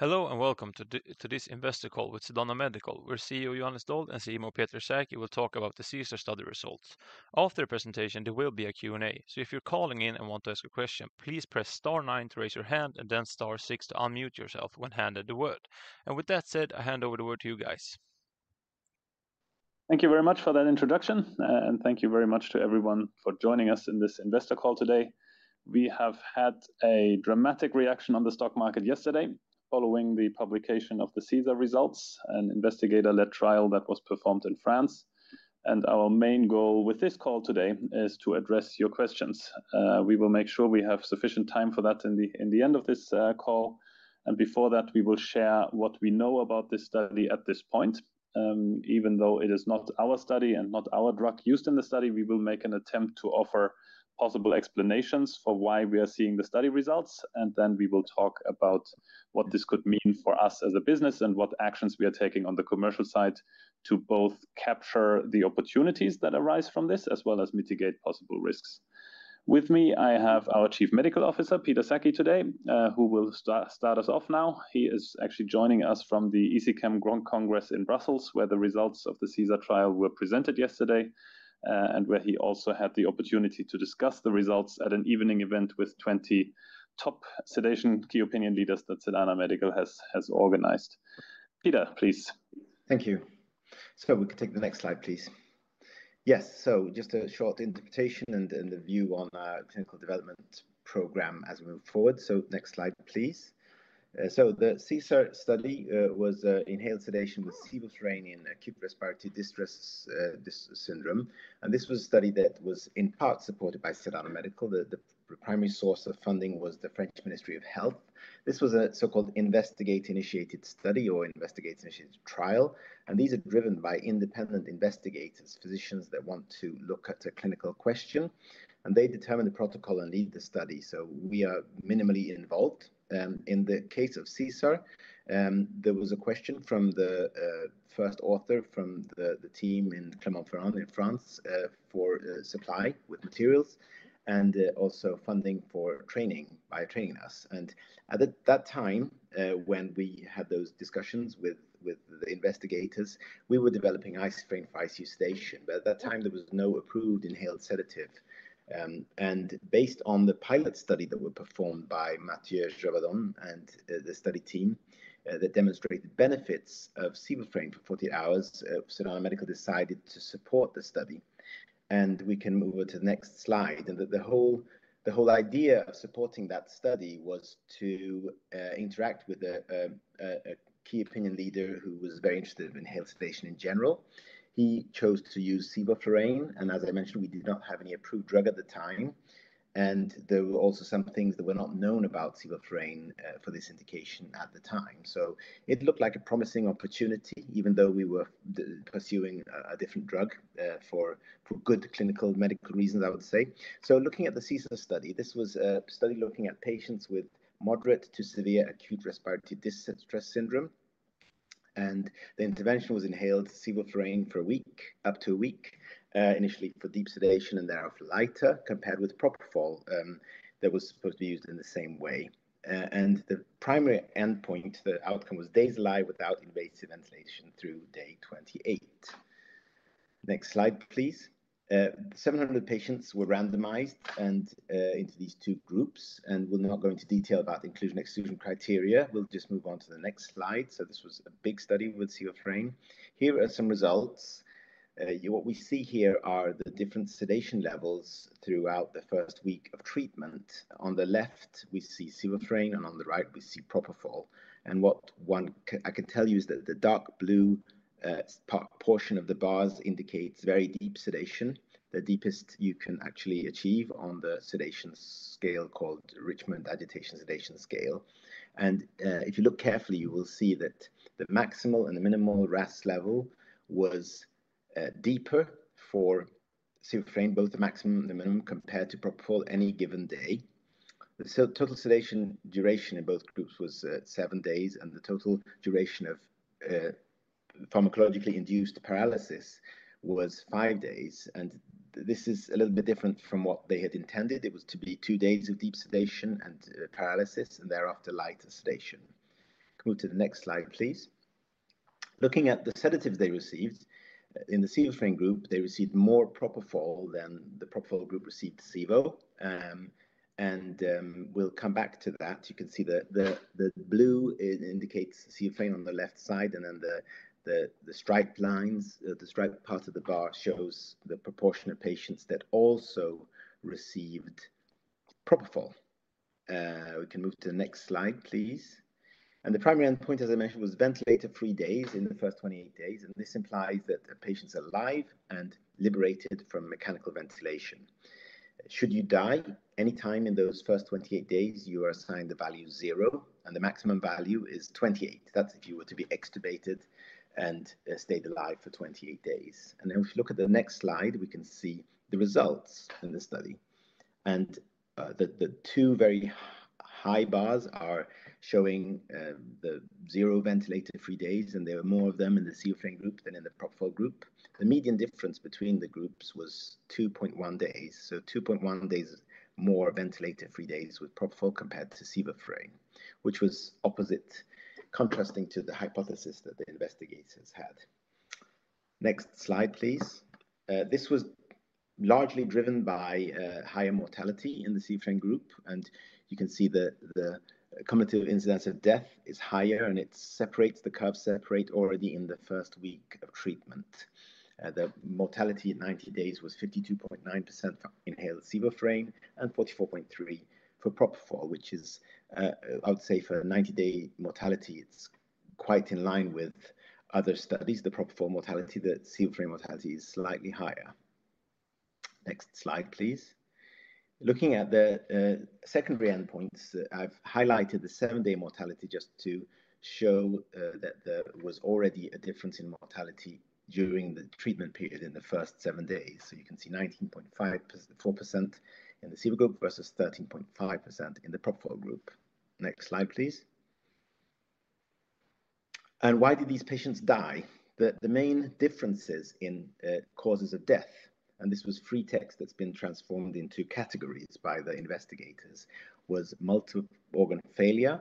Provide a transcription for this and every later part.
Hello and welcome to today's investor call with Sedana Medical. With CEO Johannes Doll and CMO Peter Sackey will talk about the SESAR study results. After the presentation, there will be a Q&A, so if you're calling in and want to ask a question, please press star nine to raise your hand and then star six to unmute yourself when handed the word. With that said, I hand over the word to you guys. Thank you very much for that introduction, and thank you very much to everyone for joining us in this investor call today. We have had a dramatic reaction on the stock market yesterday following the publication of the SESAR results, an investigator-led trial that was performed in France. Our main goal with this call today is to address your questions. We will make sure we have sufficient time for that in the end of this call. Before that, we will share what we know about this study at this point. Even though it is not our study and not our drug used in the study, we will make an attempt to offer possible explanations for why we are seeing the study results. We will talk about what this could mean for us as a business and what actions we are taking on the commercial side to both capture the opportunities that arise from this as well as mitigate possible risks. With me, I have our Chief Medical Officer, Peter Sackey, today, who will start us off now. He is actually joining us from the ESICM Congress in Brussels, where the results of the SESAR trial were presented yesterday and where he also had the opportunity to discuss the results at an evening event with 20 top sedation key opinion leaders that Sedana Medical has organized. Peter, please. Thank you. We can take the next slide, please. Yes. Just a short interpretation and the view on our clinical development program as we move forward. Next slide, please. The SESAR study was inhaled sedation with sevoflurane in acute respiratory distress syndrome. This was a study that was in part supported by Sedana Medical. The primary source of funding was the French Ministry of Health. This was a so-called investigator-initiated study or investigator-initiated trial. These are driven by independent investigators, physicians that want to look at a clinical question. They determine the protocol and lead the study. We are minimally involved. In the case of SESAR, there was a question from the first author from the team in Clermont-Ferrand in France for supply with materials and also funding for training by training us. At that time, when we had those discussions with the investigators, we were developing isoflurane for sedation. At that time, there was no approved inhaled sedative. Based on the pilot study that was performed by Matthieu Jabaudon and the study team that demonstrated benefits of sevoflurane for 48 hours, Sedana Medical decided to support the study. We can move over to the next slide. The whole idea of supporting that study was to interact with a key opinion leader who was very interested in inhaled sedation in general. He chose to use sevoflurane. As I mentioned, we did not have any approved drug at the time. There were also some things that were not known about sevoflurane for this indication at the time. It looked like a promising opportunity, even though we were pursuing a different drug for good clinical medical reasons, I would say. Looking at the SESAR study, this was a study looking at patients with moderate to severe acute respiratory distress syndrome. The intervention was inhaled sevoflurane for a week, up to a week, initially for deep sedation and thereafter lighter, compared with propofol that was supposed to be used in the same way. The primary endpoint, the outcome, was days alive without invasive ventilation through day 28. Next slide, please. Seven hundred patients were randomized into these two groups. We're not going to detail about inclusion-exclusion criteria. We'll just move on to the next slide. This was a big study with sevoflurane. Here are some results. What we see here are the different sedation levels throughout the first week of treatment. On the left, we see sevoflurane, and on the right, we see propofol. What I can tell you is that the dark blue portion of the bars indicates very deep sedation, the deepest you can actually achieve on the sedation scale called Richmond Agitation-Sedation Scale. If you look carefully, you will see that the maximal and the minimal RASS level was deeper for sevoflurane, both the maximum and the minimum, compared to propofol any given day. The total sedation duration in both groups was seven days, and the total duration of pharmacologically induced paralysis was five days. This is a little bit different from what they had intended. It was to be two days of deep sedation and paralysis, and thereafter lighter sedation. Move to the next slide, please. Looking at the sedatives they received in the sevoflurane group, they received more propofol than the propofol group received sevo. We will come back to that. You can see the blue indicates sevoflurane on the left side, and then the striped lines, the striped part of the bar shows the proportion of patients that also received propofol. We can move to the next slide, please. The primary endpoint, as I mentioned, was ventilator-free days in the first 28 days. This implies that patients are alive and liberated from mechanical ventilation. Should you die anytime in those first 28 days, you are assigned the value zero, and the maximum value is 28. That is if you were to be extubated and stayed alive for 28 days. If you look at the next slide, we can see the results in this study. The two very high bars are showing the zero ventilator-free days, and there were more of them in the sevoflurane group than in the propofol group. The median difference between the groups was 2.1 days. 2.1 days more ventilator-free days with propofol compared to sevoflurane, which was opposite, contrasting to the hypothesis that the investigators had. Next slide, please. This was largely driven by higher mortality in the sevoflurane group. You can see the cumulative incidence of death is higher, and it separates, the curves separate already in the first week of treatment. The mortality at 90 days was 52.9% for inhaled sevoflurane and 44.3% for propofol, which is, I would say, for a 90-day mortality, it's quite in line with other studies. The propofol mortality, the sevoflurane mortality is slightly higher. Next slide, please. Looking at the secondary endpoints, I've highlighted the seven-day mortality just to show that there was already a difference in mortality during the treatment period in the first seven days. You can see 19.4% in the sevoflurane group versus 13.5% in the propofol group. Next slide, please. Why did these patients die? The main differences in causes of death, and this was free text that's been transformed into categories by the investigators, was multiple organ failure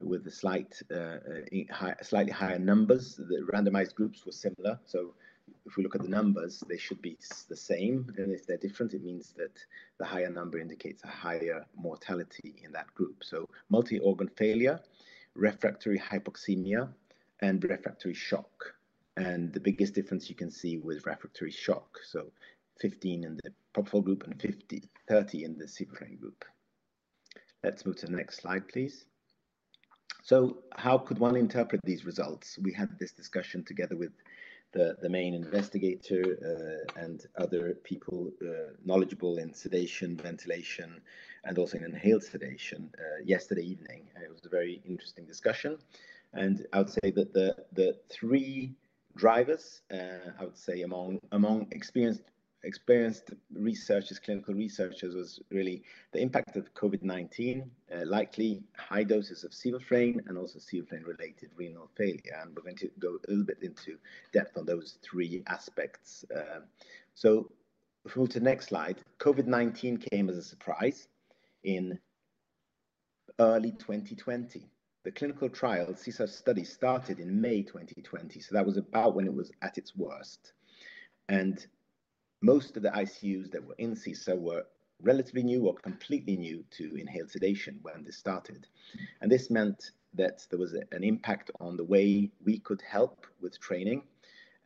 with slightly higher numbers. The randomized groups were similar. If we look at the numbers, they should be the same. If they're different, it means that the higher number indicates a higher mortality in that group. Multi-organ failure, refractory hypoxemia, and refractory shock. The biggest difference you can see was refractory shock: 15 in the propofol group and 30 in the sevoflurane group. Let's move to the next slide, please. How could one interpret these results? We had this discussion together with the main investigator and other people knowledgeable in sedation, ventilation, and also in inhaled sedation yesterday evening. It was a very interesting discussion. I would say that the three drivers, I would say, among experienced researchers, clinical researchers, was really the impact of COVID-19, likely high doses of sevoflurane, and also sevoflurane-related renal failure. We're going to go a little bit into depth on those three aspects. Move to the next slide. COVID-19 came as a surprise in early 2020. The clinical trial, SESAR study, started in May 2020. That was about when it was at its worst. Most of the ICUs that were in SESAR were relatively new or completely new to inhaled sedation when they started. This meant that there was an impact on the way we could help with training.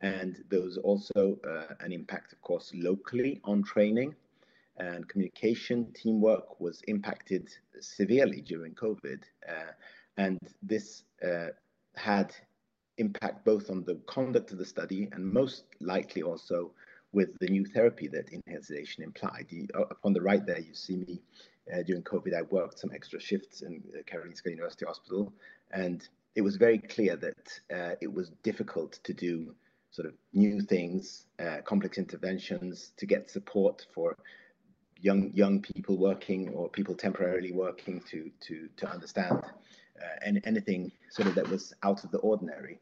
There was also an impact, of course, locally on training. Communication teamwork was impacted severely during COVID. This had impact both on the conduct of the study and most likely also with the new therapy that inhaled sedation implied. On the right there, you see me during COVID. I worked some extra shifts in Karolinska University Hospital. It was very clear that it was difficult to do sort of new things, complex interventions, to get support for young people working or people temporarily working to understand anything sort of that was out of the ordinary.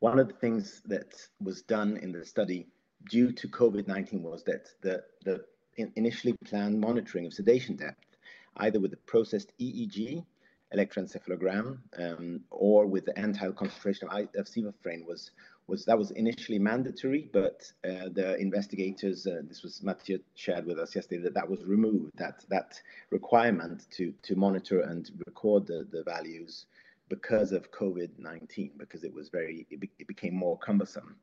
One of the things that was done in the study due to COVID-19 was that the initially planned monitoring of sedation depth, either with the processed EEG, electroencephalogram, or with the end-tidal concentration of sevoflurane, that was initially mandatory. The investigators, this was Matthieu shared with us yesterday, that that was removed, that requirement to monitor and record the values because of COVID-19, because it became more cumbersome.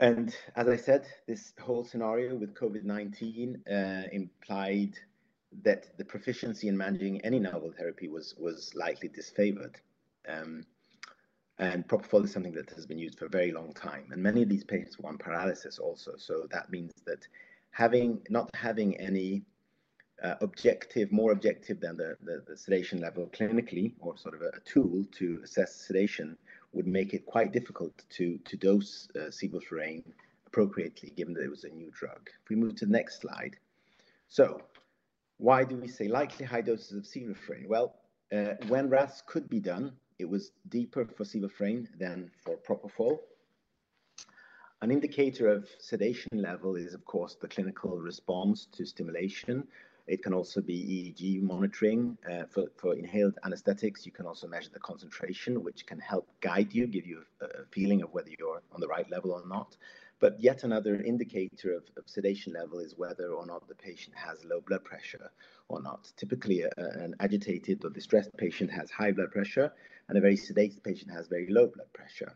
As I said, this whole scenario with COVID-19 implied that the proficiency in managing any novel therapy was likely disfavored. Propofol is something that has been used for a very long time. Many of these patients were on paralysis also. That means that not having any more objective than the sedation level clinically or sort of a tool to assess sedation would make it quite difficult to dose sevoflurane appropriately, given that it was a new drug. If we move to the next slide. Why do we say likely high doses of sevoflurane? When RASS could be done, it was deeper for sevoflurane than for propofol. An indicator of sedation level is, of course, the clinical response to stimulation. It can also be EEG monitoring. For inhaled anesthetics, you can also measure the concentration, which can help guide you, give you a feeling of whether you're on the right level or not. Yet another indicator of sedation level is whether or not the patient has low blood pressure or not. Typically, an agitated or distressed patient has high blood pressure, and a very sedated patient has very low blood pressure.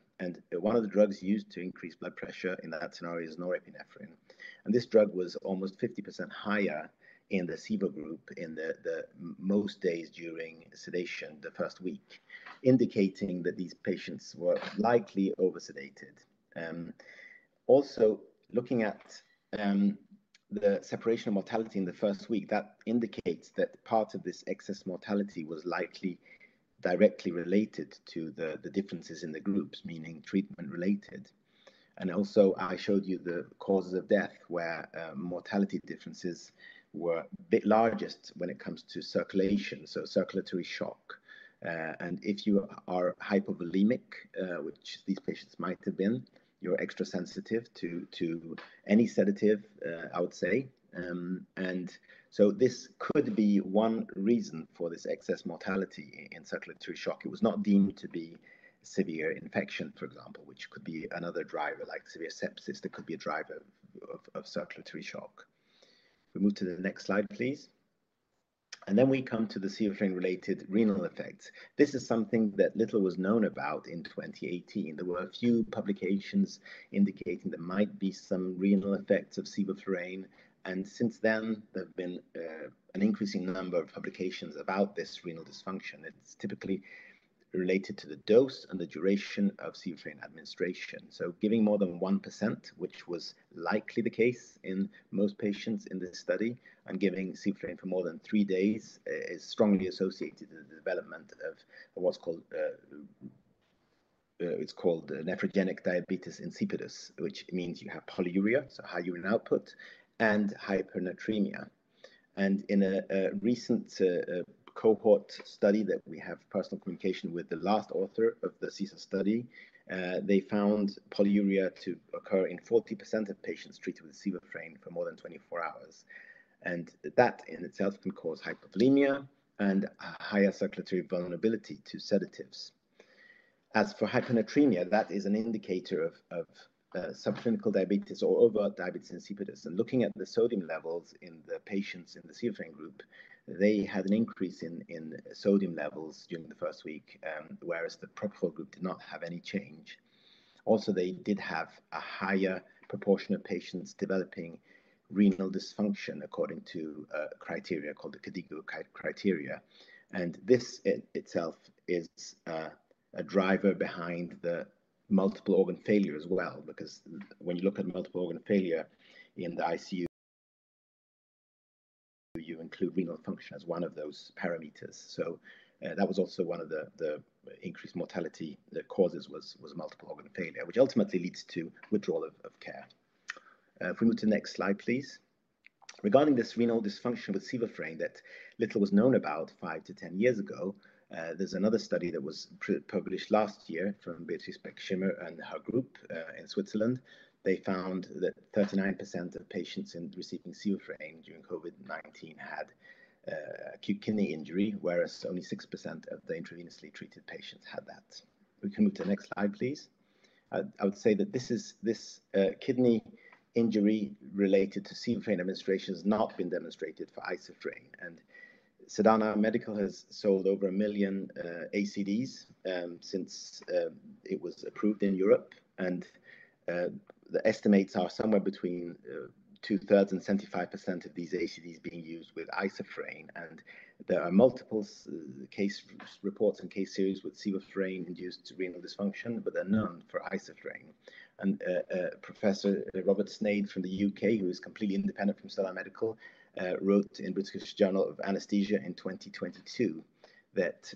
One of the drugs used to increase blood pressure in that scenario is norepinephrine. This drug was almost 50% higher in the severe group in the most days during sedation, the first week, indicating that these patients were likely over-sedated. Also, looking at the separation of mortality in the first week, that indicates that part of this excess mortality was likely directly related to the differences in the groups, meaning treatment-related. I showed you the causes of death where mortality differences were largest when it comes to circulation, so circulatory shock. If you are hypovolemic, which these patients might have been, you're extra sensitive to any sedative, I would say. This could be one reason for this excess mortality in circulatory shock. It was not deemed to be severe infection, for example, which could be another driver, like severe sepsis that could be a driver of circulatory shock. We move to the next slide, please. Then we come to the sevoflurane-related renal effects. This is something that little was known about in 2018. There were a few publications indicating there might be some renal effects of sevoflurane. Since then, there have been an increasing number of publications about this renal dysfunction. It's typically related to the dose and the duration of sevoflurane administration. Giving more than 1%, which was likely the case in most patients in this study, and giving sevoflurane for more than three days is strongly associated with the development of what's called nephrogenic diabetes insipidus, which means you have polyuria, so high urine output, and hyponatremia. In a recent cohort study that we have personal communication with the last author of the SESAR study, they found polyuria to occur in 40% of patients treated with sevoflurane for more than 24 hours. That in itself can cause hypovolemia and higher circulatory vulnerability to sedatives. As for hyponatremia, that is an indicator of subclinical diabetes or overt diabetes insipidus. Looking at the sodium levels in the patients in the sevoflurane group, they had an increase in sodium levels during the first week, whereas the propofol group did not have any change. Also, they did have a higher proportion of patients developing renal dysfunction according to criteria called the KDIGO criteria. This itself is a driver behind the multiple organ failure as well, because when you look at multiple organ failure in the ICU, you include renal function as one of those parameters. That was also one of the increased mortality causes, which was multiple organ failure, which ultimately leads to withdrawal of care. If we move to the next slide, please. Regarding this renal dysfunction with sevoflurane that little was known about five to ten years ago, there's another study that was published last year from Beatrice Beck-Schimmer and her group in Switzerland. They found that 39% of patients receiving sevoflurane during COVID-19 had acute kidney injury, whereas only 6% of the intravenously treated patients had that. We can move to the next slide, please. I would say that this kidney injury related to sevoflurane administration has not been demonstrated for isoflurane. Sedana Medical has sold over one million ACDs since it was approved in Europe. The estimates are somewhere between two-thirds and 75% of these ACDs being used with isoflurane. There are multiple case reports and case series with sevoflurane-induced renal dysfunction, but they're known for isoflurane. Professor Robert Sneyd from the U.K., who is completely independent from Sedana Medical, wrote in British Journal of Anesthesia in 2022 that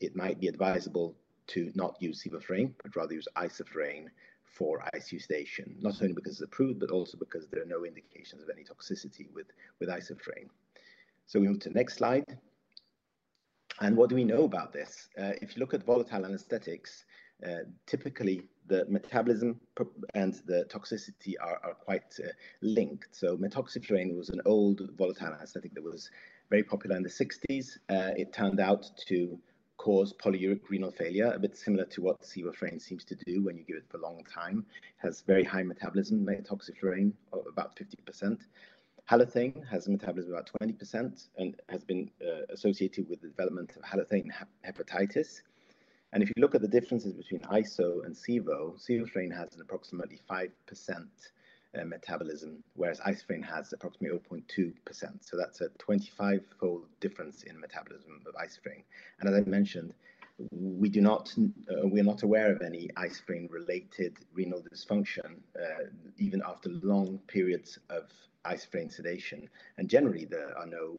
it might be advisable to not use sevoflurane, but rather use isoflurane for ICU sedation, not only because it's approved, but also because there are no indications of any toxicity with isoflurane. We move to the next slide. What do we know about this? If you look at volatile anesthetics, typically, the metabolism and the toxicity are quite linked. Methoxyflurane was an old volatile anesthetic that was very popular in the 1960s. It turned out to cause polyuric renal failure, a bit similar to what sevoflurane seems to do when you give it for a long time. It has very high metabolism, methoxyflurane, about 50%. Halothane has metabolism about 20% and has been associated with the development of halothane hepatitis. If you look at the differences between ISO and SEVO, sevoflurane has an approximately 5% metabolism, whereas isoflurane has approximately 0.2%. That is a 25-fold difference in metabolism of isoflurane. As I mentioned, we are not aware of any isoflurane-related renal dysfunction, even after long periods of isoflurane sedation. Generally, there are no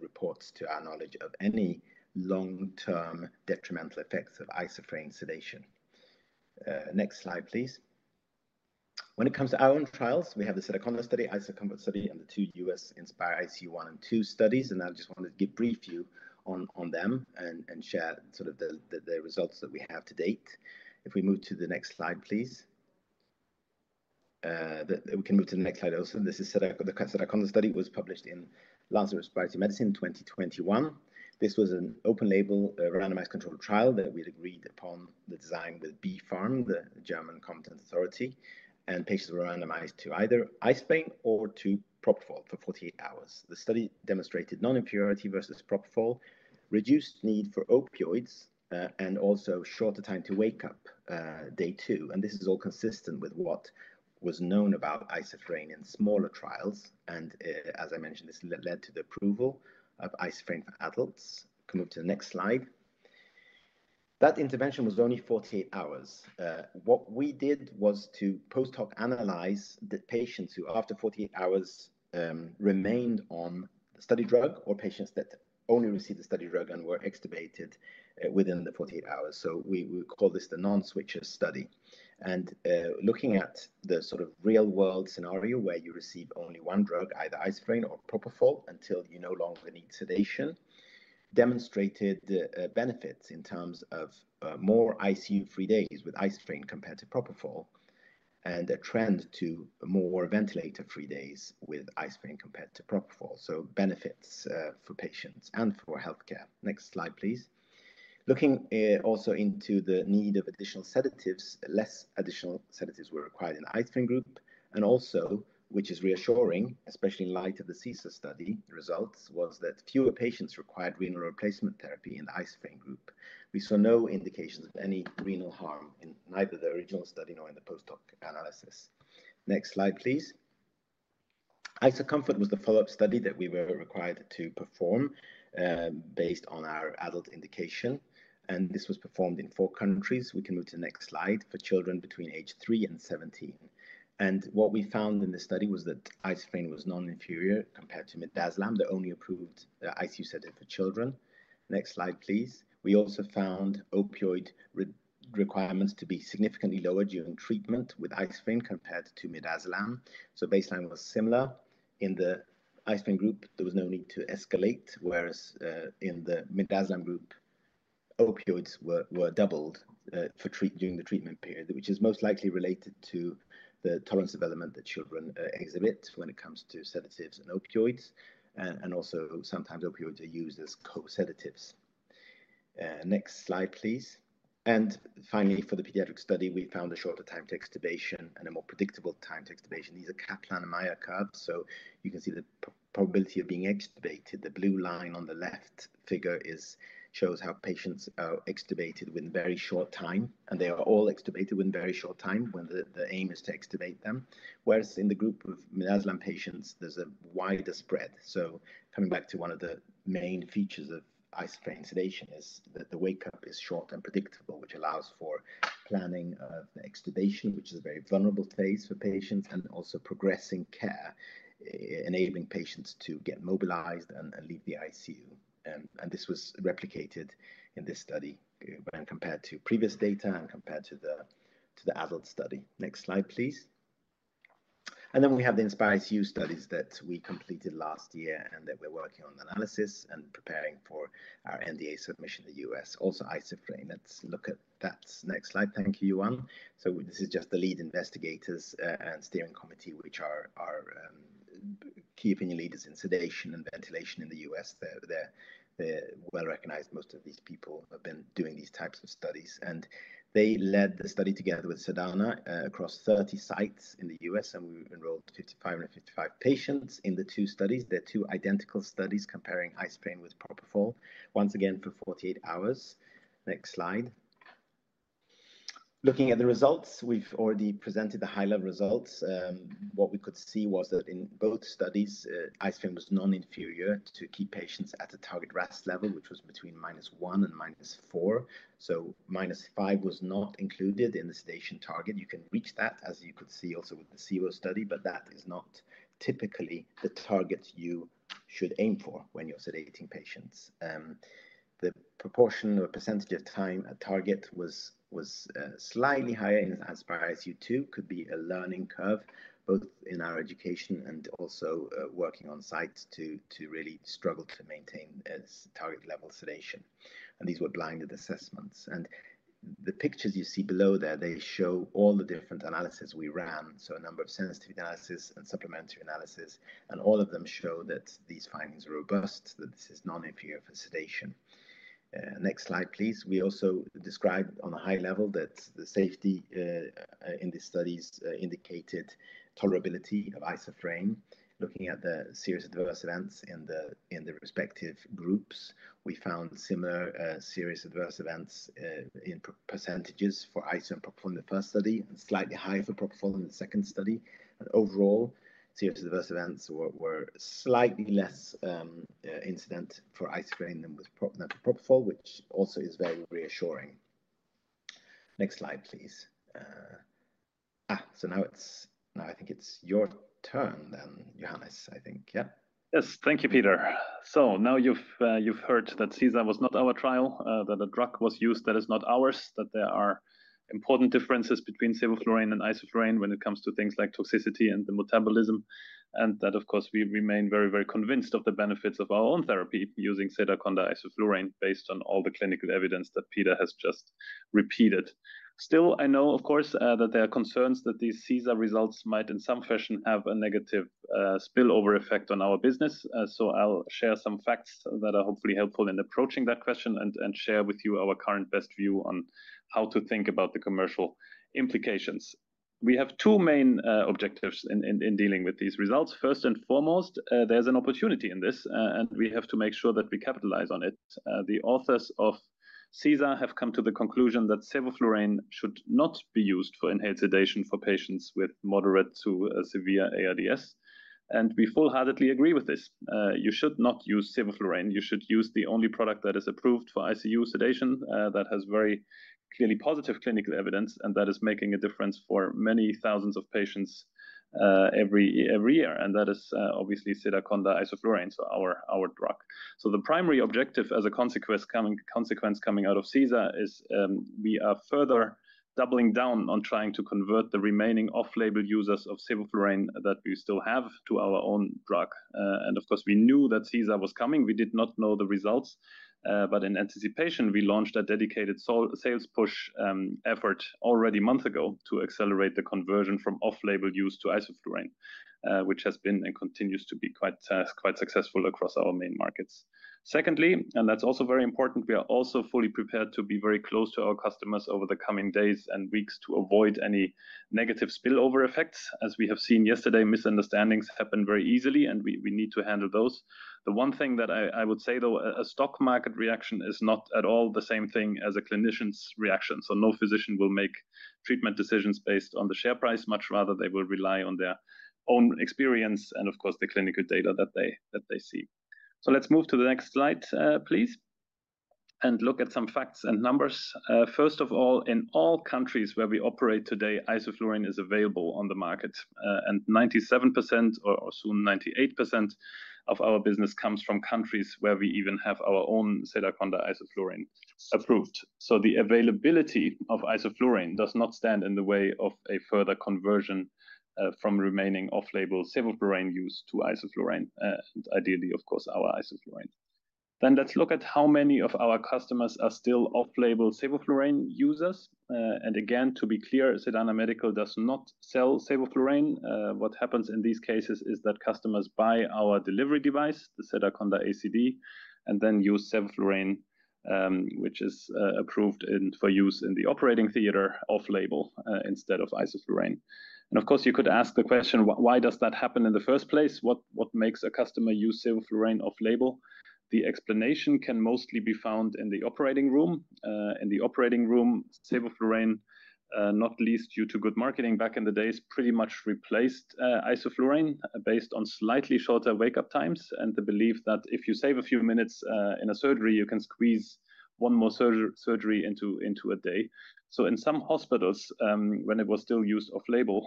reports to our knowledge of any long-term detrimental effects of isoflurane sedation. Next slide, please. When it comes to our own trials, we have the Sedaconda study, IsoCOMFORT study, and the two US INSPiRE-ICU one and two studies. I just wanted to give a brief view on them and share sort of the results that we have to date. If we move to the next slide, please. We can move to the next slide also. The Sedaconda study was published in Lancet Respiratory Medicine in 2021. This was an open-label, randomized controlled trial that we had agreed upon the design with BfArM, the German competent authority. Patients were randomized to either isoflurane or to propofol for 48 hours. The study demonstrated non-inferiority versus propofol, reduced need for opioids, and also shorter time to wake up day two. This is all consistent with what was known about isoflurane in smaller trials. As I mentioned, this led to the approval of isoflurane for adults. Can move to the next slide. That intervention was only 48 hours. What we did was to post-hoc analyze the patients who, after 48 hours, remained on the study drug or patients that only received the study drug and were extubated within the 48 hours. We call this the non-switcher study. Looking at the sort of real-world scenario where you receive only one drug, either isoflurane or propofol, until you no longer need sedation, demonstrated benefits in terms of more ICU-free days with isoflurane compared to propofol and a trend to more ventilator-free days with isoflurane compared to propofol. Benefits for patients and for healthcare. Next slide, please. Looking also into the need of additional sedatives, less additional sedatives were required in the isoflurane group. Also, which is reassuring, especially in light of the SESAR study results, was that fewer patients required renal replacement therapy in the isoflurane group. We saw no indications of any renal harm in neither the original study nor in the post-hoc analysis. Next slide, please. IsoCOMFORT was the follow-up study that we were required to perform based on our adult indication. This was performed in four countries. We can move to the next slide for children between age three and 17. What we found in the study was that isoflurane was non-inferior compared to midazolam, the only approved ICU sedative for children. Next slide, please. We also found opioid requirements to be significantly lower during treatment with isoflurane compared to midazolam. Baseline was similar. In the isoflurane group, there was no need to escalate, whereas in the midazolam group, opioids were doubled during the treatment period, which is most likely related to the tolerance development that children exhibit when it comes to sedatives and opioids. Also, sometimes opioids are used as co-sedatives. Next slide, please. Finally, for the pediatric study, we found a shorter time to extubation and a more predictable time to extubation. These are Kaplan-Meier curves. You can see the probability of being extubated. The blue line on the left figure shows how patients are extubated within a very short time. They are all extubated within a very short time when the aim is to extubate them. Whereas in the group of midazolam patients, there's a wider spread. Coming back to one of the main features of isoflurane sedation is that the wake-up is short and predictable, which allows for planning of extubation, which is a very vulnerable phase for patients, and also progressing care, enabling patients to get mobilized and leave the ICU. This was replicated in this study when compared to previous data and compared to the adult study. Next slide, please. We have the INSPiRE ICU studies that we completed last year and that we're working on analysis and preparing for our NDA submission in the US, also isoflurane. Let's look at that next slide. Thank you, Johan. This is just the lead investigators and steering committee, which are key opinion leaders in sedation and ventilation in the U.S. They're well recognized. Most of these people have been doing these types of studies. They led the study together with Sedana across 30 sites in the U.S. We enrolled 55 and 55 patients in the two studies. They're two identical studies comparing isoflurane with propofol, once again for 48 hours. Next slide. Looking at the results, we've already presented the high-level results. What we could see was that in both studies, isoflurane was non-inferior to keep patients at a target RASS level, which was between minus one and minus four. Minus five was not included in the sedation target. You can reach that, as you could see also with the SEVO study, but that is not typically the target you should aim for when you're sedating patients. The proportion or percentage of time at target was slightly higher in INSPiRE ICU two. It could be a learning curve, both in our education and also working on sites to really struggle to maintain target-level sedation. These were blinded assessments. The pictures you see below there show all the different analyses we ran. A number of sensitivity analysis and supplementary analysis. All of them show that these findings are robust, that this is non-inferior for sedation. Next slide, please. We also described on a high level that the safety in these studies indicated tolerability of isoflurane. Looking at the serious adverse events in the respective groups, we found similar serious adverse events in % for isoflurane and propofol in the first study, slightly higher for propofol in the second study. Overall, serious adverse events were slightly less incident for isoflurane than with propofol, which also is very reassuring. Next slide, please. Now I think it's your turn then, Johannes, I think. Yeah? Yes. Thank you, Peter. Now you've heard that SESAR was not our trial, that a drug was used that is not ours, that there are important differences between sevoflurane and isoflurane when it comes to things like toxicity and the metabolism, and that, of course, we remain very, very convinced of the benefits of our own therapy using Sedaconda isoflurane based on all the clinical evidence that Peter has just repeated. Still, I know, of course, that there are concerns that these SESAR results might, in some fashion, have a negative spillover effect on our business. I will share some facts that are hopefully helpful in approaching that question and share with you our current best view on how to think about the commercial implications. We have two main objectives in dealing with these results. First and foremost, there is an opportunity in this, and we have to make sure that we capitalize on it. The authors of SESAR have come to the conclusion that sevoflurane should not be used for inhaled sedation for patients with moderate to severe ARDS. We full-heartedly agree with this. You should not use sevoflurane. You should use the only product that is approved for ICU sedation that has very clearly positive clinical evidence and that is making a difference for many thousands of patients every year. That is obviously Sedaconda isoflurane, so our drug. The primary objective as a consequence coming out of SESAR is we are further doubling down on trying to convert the remaining off-label users of sevoflurane that we still have to our own drug. Of course, we knew that SESAR was coming. We did not know the results. In anticipation, we launched a dedicated sales push effort already a month ago to accelerate the conversion from off-label use to isoflurane, which has been and continues to be quite successful across our main markets. Secondly, and that's also very important, we are also fully prepared to be very close to our customers over the coming days and weeks to avoid any negative spillover effects. As we have seen yesterday, misunderstandings happen very easily, and we need to handle those. The one thing that I would say, though, a stock market reaction is not at all the same thing as a clinician's reaction. No physician will make treatment decisions based on the share price. Much rather, they will rely on their own experience and, of course, the clinical data that they see. Let's move to the next slide, please, and look at some facts and numbers. First of all, in all countries where we operate today, isoflurane is available on the market. 97% or soon 98% of our business comes from countries where we even have our own Sedaconda isoflurane approved. The availability of isoflurane does not stand in the way of a further conversion from remaining off-label sevoflurane use to isoflurane, and ideally, of course, our isoflurane. Let's look at how many of our customers are still off-label sevoflurane users. Again, to be clear, Sedana Medical does not sell sevoflurane. What happens in these cases is that customers buy our delivery device, the Sedaconda ACD, and then use sevoflurane, which is approved for use in the operating theater off-label instead of isoflurane. Of course, you could ask the question, why does that happen in the first place? What makes a customer use sevoflurane off-label? The explanation can mostly be found in the operating room. In the operating room, sevoflurane, not least due to good marketing back in the days, pretty much replaced isoflurane based on slightly shorter wake-up times and the belief that if you save a few minutes in a surgery, you can squeeze one more surgery into a day. In some hospitals, when it was still used off-label,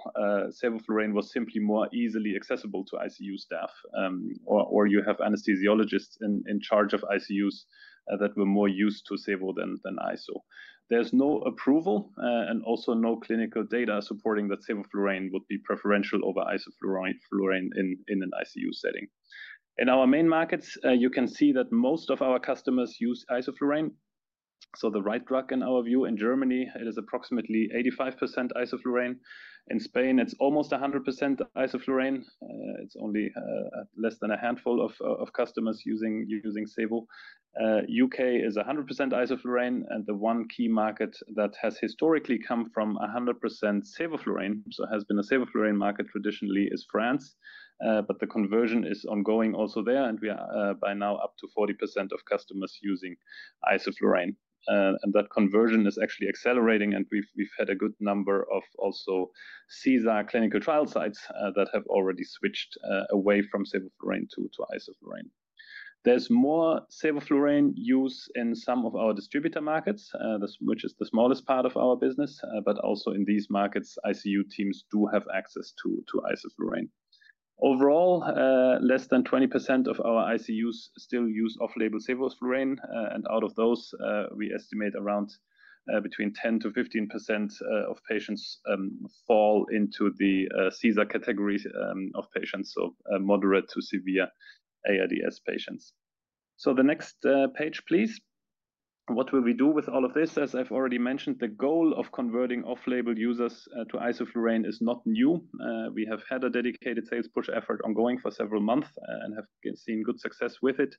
sevoflurane was simply more easily accessible to ICU staff, or you have anesthesiologists in charge of ICUs that were more used to sevo than iso. There's no approval and also no clinical data supporting that sevoflurane would be preferential over isoflurane in an ICU setting. In our main markets, you can see that most of our customers use isoflurane. The right drug, in our view, in Germany, it is approximately 85% isoflurane. In Spain, it's almost 100% isoflurane. It's only less than a handful of customers using sevo. U.K. is 100% isoflurane. The one key market that has historically come from 100% sevoflurane, so has been a sevoflurane market traditionally, is France. The conversion is ongoing also there. We are by now up to 40% of customers using isoflurane. That conversion is actually accelerating. We've had a good number of also SESAR clinical trial sites that have already switched away from sevoflurane to isoflurane. There is more sevoflurane use in some of our distributor markets, which is the smallest part of our business. Also in these markets, ICU teams do have access to isoflurane. Overall, less than 20% of our ICUs still use off-label sevoflurane. Out of those, we estimate around between 10%-15% of patients fall into the SESAR category of patients, so moderate to severe ARDS patients. The next page, please. What will we do with all of this? As I've already mentioned, the goal of converting off-label users to isoflurane is not new. We have had a dedicated sales push effort ongoing for several months and have seen good success with it.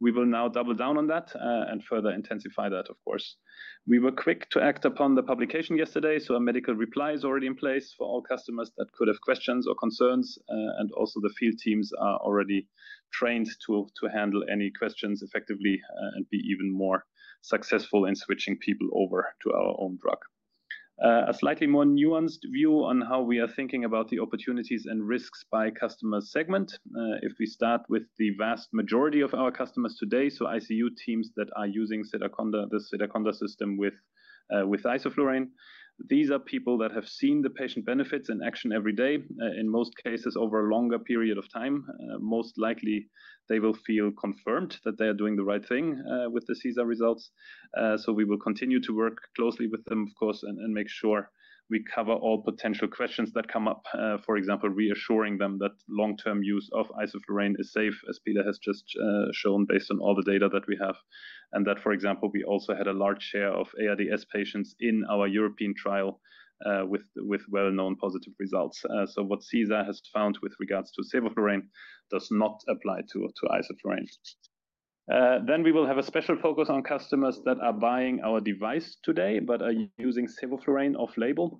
We will now double down on that and further intensify that, of course. We were quick to act upon the publication yesterday. A medical reply is already in place for all customers that could have questions or concerns. Also, the field teams are already trained to handle any questions effectively and be even more successful in switching people over to our own drug. A slightly more nuanced view on how we are thinking about the opportunities and risks by customer segment. If we start with the vast majority of our customers today, so ICU teams that are using the Sedaconda system with isoflurane, these are people that have seen the patient benefits in action every day. In most cases, over a longer period of time, most likely they will feel confirmed that they are doing the right thing with the SESAR results. We will continue to work closely with them, of course, and make sure we cover all potential questions that come up, for example, reassuring them that long-term use of isoflurane is safe, as Peter has just shown based on all the data that we have. For example, we also had a large share of ARDS patients in our European trial with well-known positive results. What SESAR has found with regards to sevoflurane does not apply to isoflurane. We will have a special focus on customers that are buying our device today but are using sevoflurane off-label.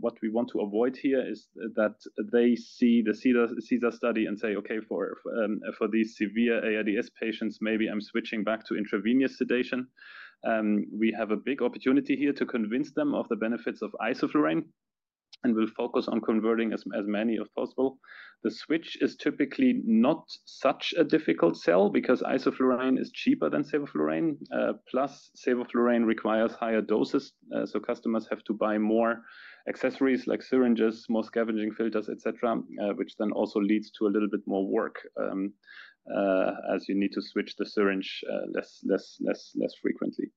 What we want to avoid here is that they see the SESAR study and say, "Okay, for these severe ARDS patients, maybe I'm switching back to intravenous sedation." We have a big opportunity here to convince them of the benefits of isoflurane. We'll focus on converting as many as possible. The switch is typically not such a difficult sell because isoflurane is cheaper than sevoflurane. Plus, sevoflurane requires higher doses. Customers have to buy more accessories like syringes, more scavenging filters, etc., which then also leads to a little bit more work as you need to switch the syringe less frequently.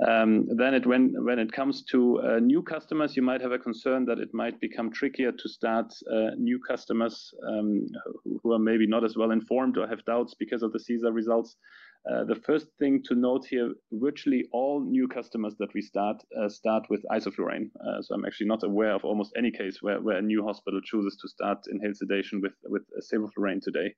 When it comes to new customers, you might have a concern that it might become trickier to start new customers who are maybe not as well informed or have doubts because of the SESAR results. The first thing to note here, virtually all new customers that we start with isoflurane. I'm actually not aware of almost any case where a new hospital chooses to start inhaled sedation with sevoflurane today.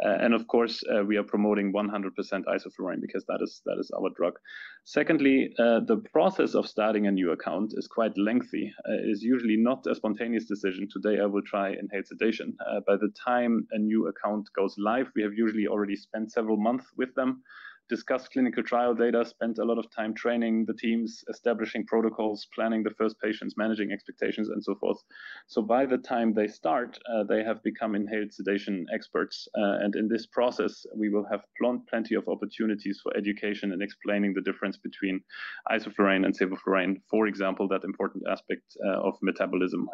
Of course, we are promoting 100% isoflurane because that is our drug. Secondly, the process of starting a new account is quite lengthy. It is usually not a spontaneous decision. Today, I will try inhaled sedation. By the time a new account goes live, we have usually already spent several months with them, discussed clinical trial data, spent a lot of time training the teams, establishing protocols, planning the first patients, managing expectations, and so forth. By the time they start, they have become inhaled sedation experts. In this process, we will have plenty of opportunities for education and explaining the difference between isoflurane and sevoflurane, for example, that important aspect of metabolism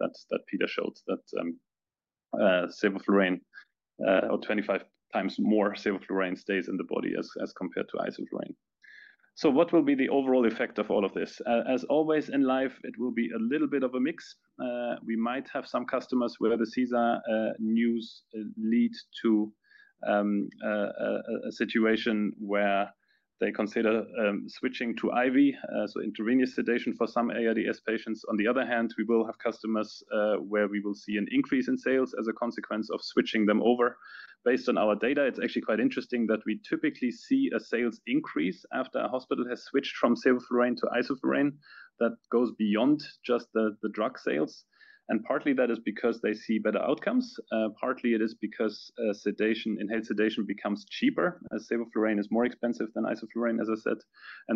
that Peter showed, that sevoflurane or 25 times more sevoflurane stays in the body as compared to isoflurane. What will be the overall effect of all of this? As always in life, it will be a little bit of a mix. We might have some customers where the SESAR news leads to a situation where they consider switching to IV, so intravenous sedation for some ARDS patients. On the other hand, we will have customers where we will see an increase in sales as a consequence of switching them over. Based on our data, it's actually quite interesting that we typically see a sales increase after a hospital has switched from sevoflurane to isoflurane that goes beyond just the drug sales. Partly, that is because they see better outcomes. Partly, it is because inhaled sedation becomes cheaper. Sevoflurane is more expensive than isoflurane, as I said.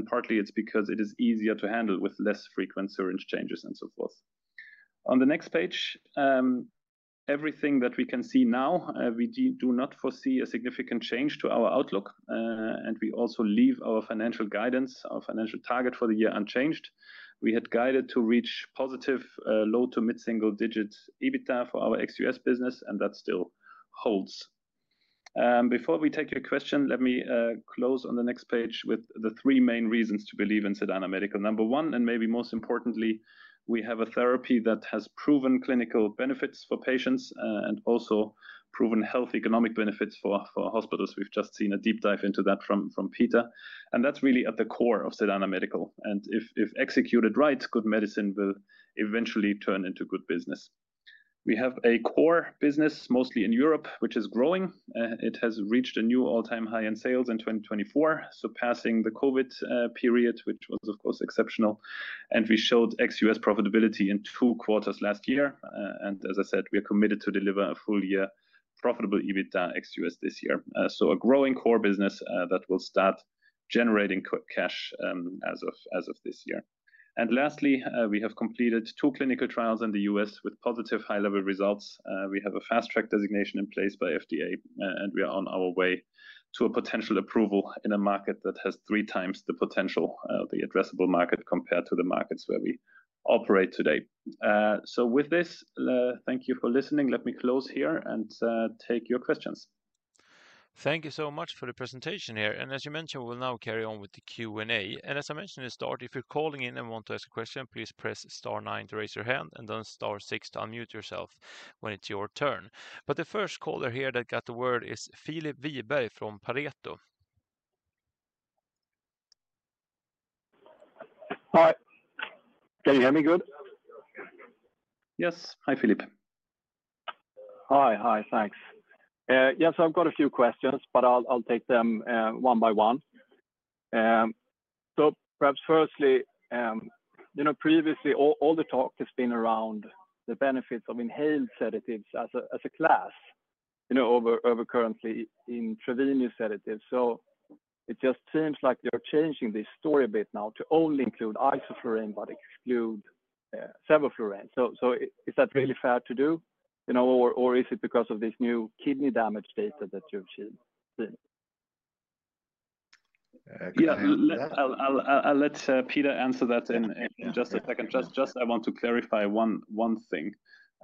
Partly, it's because it is easier to handle with less frequent syringe changes and so forth. On the next page, everything that we can see now, we do not foresee a significant change to our outlook. We also leave our financial guidance, our financial target for the year unchanged. We had guided to reach positive low to mid-single digit EBITDA for our ex-U.S. business, and that still holds. Before we take your question, let me close on the next page with the three main reasons to believe in Sedana Medical. Number one, and maybe most importantly, we have a therapy that has proven clinical benefits for patients and also proven health economic benefits for hospitals. We have just seen a deep dive into that from Peter. That is really at the core of Sedana Medical. If executed right, good medicine will eventually turn into good business. We have a core business mostly in Europe, which is growing. It has reached a new all-time high in sales in 2024, surpassing the COVID period, which was, of course, exceptional. We showed ex-U.S. profitability in two quarters last year. As I said, we are committed to deliver a full-year profitable EBITDA ex-U.S. this year. A growing core business that will start generating cash as of this year. Lastly, we have completed two clinical trials in the U.S. with positive high-level results. We have a fast-track designation in place by FDA. We are on our way to a potential approval in a market that has three times the potential, the addressable market compared to the markets where we operate today. With this, thank you for listening. Let me close here and take your questions. Thank you so much for the presentation here. As you mentioned, we will now carry on with the Q&A. As I mentioned in the start, if you are calling in and want to ask a question, please press star nine to raise your hand and then star six to unmute yourself when it is your turn. The first caller here that got the word is Filip Wiberg from Pareto. Hi. Can you hear me good? Yes. Hi, Filip. Hi. Hi.Thanks. Yes, I have got a few questions, but I will take them one by one. Perhaps firstly, previously, all the talk has been around the benefits of inhaled sedatives as a class over currently intravenous sedatives. It just seems like you're changing the story a bit now to only include isoflurane but exclude sevoflurane. Is that really fair to do? Or is it because of this new kidney damage data that you've seen? Yeah. Let Peter answer that in just a second. I want to clarify one thing.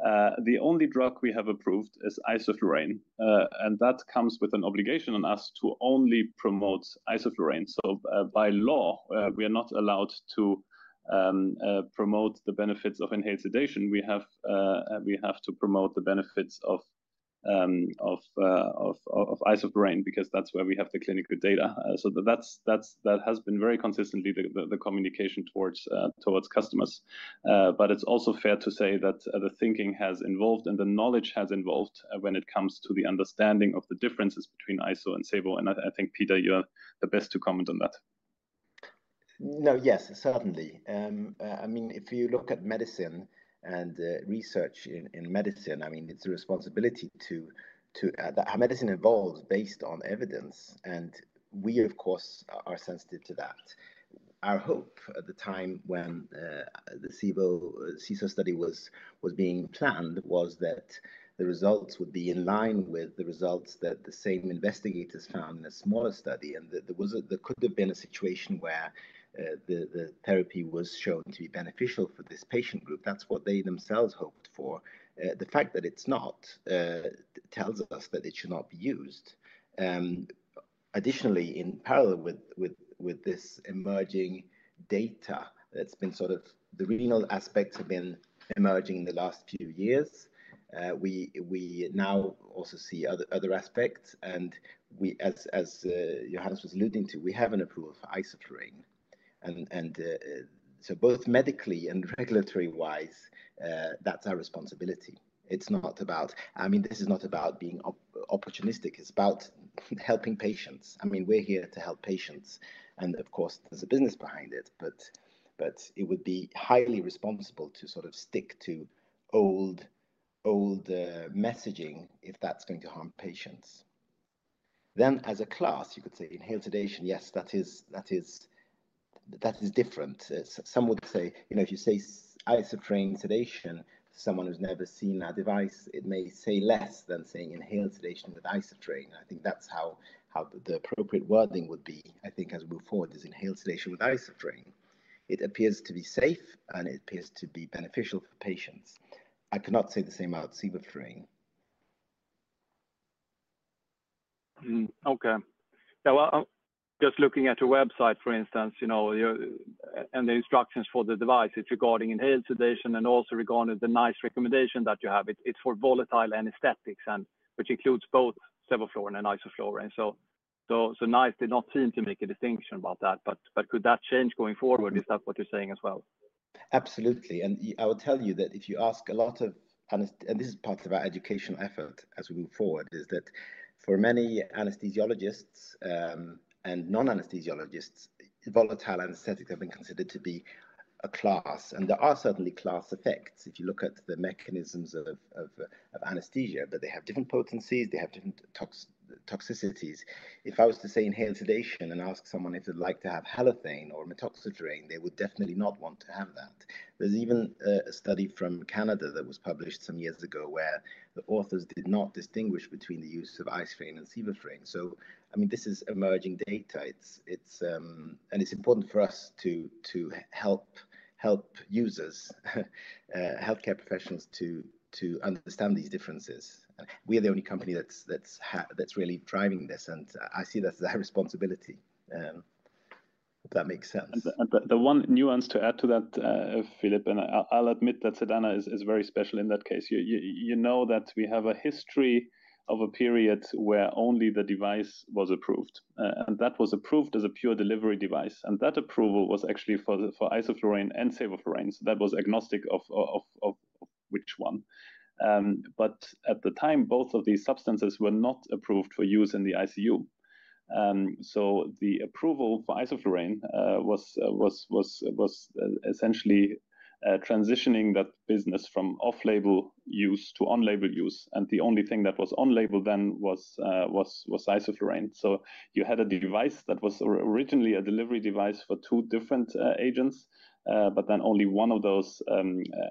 The only drug we have approved is isoflurane. That comes with an obligation on us to only promote isoflurane. By law, we are not allowed to promote the benefits of inhaled sedation. We have to promote the benefits of isoflurane because that's where we have the clinical data. That has been very consistently the communication towards customers. It is also fair to say that the thinking has evolved and the knowledge has evolved when it comes to the understanding of the differences between ISO and SEVO. I think, Peter, you are the best to comment on that. No, yes, certainly. I mean, if you look at medicine and research in medicine, I mean, it is a responsibility to how medicine evolves based on evidence. We, of course, are sensitive to that. Our hope at the time when the SESAR study was being planned was that the results would be in line with the results that the same investigators found in a smaller study. There could have been a situation where the therapy was shown to be beneficial for this patient group. That is what they themselves hoped for. The fact that it is not tells us that it should not be used. Additionally, in parallel with this emerging data that's been sort of the renal aspects have been emerging in the last few years, we now also see other aspects. As Johannes was alluding to, we have an approval for isoflurane. Both medically and regulatory-wise, that's our responsibility. I mean, this is not about being opportunistic. It's about helping patients. I mean, we're here to help patients. Of course, there's a business behind it. It would be highly responsible to sort of stick to old messaging if that's going to harm patients. As a class, you could say inhaled sedation, yes, that is different. Some would say, if you say isoflurane sedation to someone who's never seen that device, it may say less than saying inhaled sedation with isoflurane. I think that's how the appropriate wording would be. I think as we move forward, it is inhaled sedation with isoflurane. It appears to be safe, and it appears to be beneficial for patients. I cannot say the same about sevoflurane. Okay. Just looking at a website, for instance, and the instructions for the device, it's regarding inhaled sedation and also regarding the NICE recommendation that you have. It's for volatile anesthetics, which includes both sevoflurane and isoflurane. NICE, they did not seem to make a distinction about that. Could that change going forward? Is that what you're saying as well? Absolutely. I will tell you that if you ask a lot of, and this is part of our educational effort as we move forward, is that for many anesthesiologists and non-anesthesiologists, volatile anesthetics have been considered to be a class. There are certainly class effects if you look at the mechanisms of anesthesia, but they have different potencies. They have different toxicities. If I was to say inhaled sedation and ask someone if they'd like to have halothane or Methoxyflurane, they would definitely not want to have that. There is even a study from Canada that was published some years ago where the authors did not distinguish between the use of isoflurane and sevoflurane. I mean, this is emerging data. It is important for us to help users, healthcare professionals, to understand these differences. We are the only company that's really driving this. I see that as our responsibility, if that makes sense. The one nuance to add to that, Filip, and I'll admit that Sedana is very special in that case. You know that we have a history of a period where only the device was approved. That was approved as a pure delivery device. That approval was actually for isoflurane and sevoflurane. That was agnostic of which one. At the time, both of these substances were not approved for use in the ICU. The approval for isoflurane was essentially transitioning that business from off-label use to on-label use. The only thing that was on-label then was isoflurane. You had a device that was originally a delivery device for two different agents, but then only one of those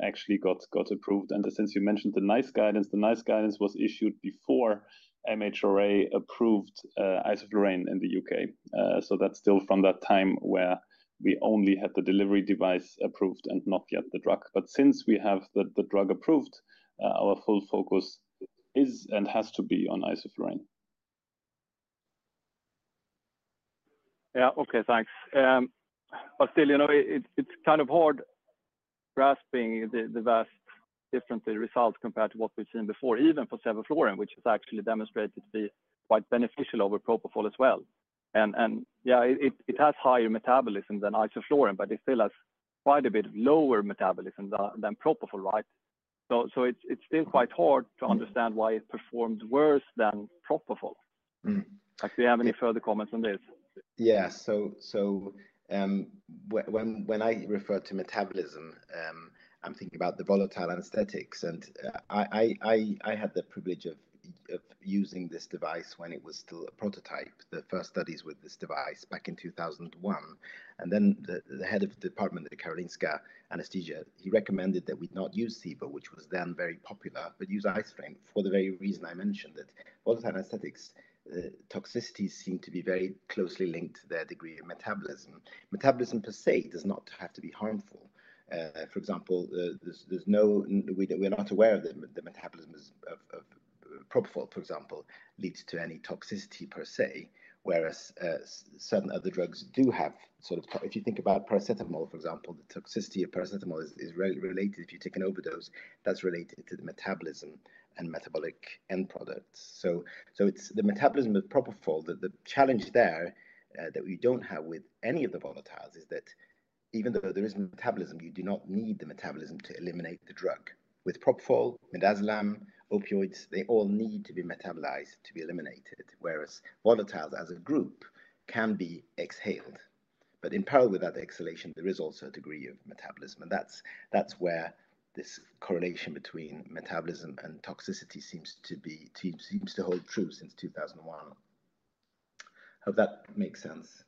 actually got approved. Since you mentioned the NICE guidance, the NICE guidance was issued before MHRA approved isoflurane in the U.K. That is still from that time where we only had the delivery device approved and not yet the drug. Since we have the drug approved, our full focus is and has to be on isoflurane. Yeah. Okay. Thanks. Still, it's kind of hard grasping the vast difference in results compared to what we've seen before, even for sevoflurane, which has actually demonstrated to be quite beneficial over propofol as well. Yeah, it has higher metabolism than isoflurane, but it still has quite a bit lower metabolism than propofol, right? It's still quite hard to understand why it performed worse than propofol. Do you have any further comments on this? Yeah. When I refer to metabolism, I'm thinking about the volatile anesthetics. I had the privilege of using this device when it was still a prototype, the first studies with this device back in 2001. The head of the department at the Karolinska Anesthesia recommended that we not use sevo, which was then very popular, but use isoflurane for the very reason I mentioned that volatile anesthetics' toxicities seem to be very closely linked to their degree of metabolism. Metabolism per se does not have to be harmful. For example, we're not aware that the metabolism of propofol, for example, leads to any toxicity per se, whereas certain other drugs do have sort of toxicity. If you think about paracetamol, for example, the toxicity of paracetamol is related. If you take an overdose, that's related to the metabolism and metabolic end products. So it's the metabolism of propofol. The challenge there that we don't have with any of the volatiles is that even though there is metabolism, you do not need the metabolism to eliminate the drug. With propofol, midazolam, opioids, they all need to be metabolized to be eliminated, whereas volatiles as a group can be exhaled. In parallel with that exhalation, there is also a degree of metabolism. That is where this correlation between metabolism and toxicity seems to hold true since 2001. Hope that makes sense.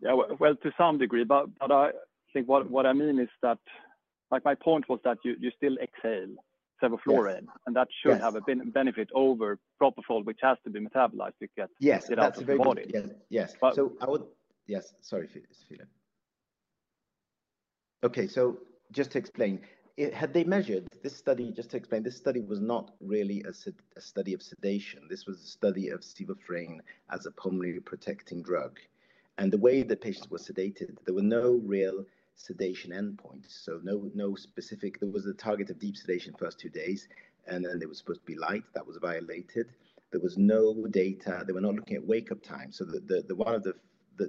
Yeah. To some degree. I think what I mean is that my point was that you still exhale sevoflurane. That should have a benefit over propofol, which has to be metabolized to get it out of the body. Yes. Yes. I would. Yes. Sorry, Filip. Just to explain, had they measured this study, just to explain, this study was not really a study of sedation. This was a study of sevoflurane as a pulmonary protecting drug. The way the patients were sedated, there were no real sedation endpoints. There was a target of deep sedation first two days, and then there was supposed to be light. That was violated. There was no data. They were not looking at wake-up time. One of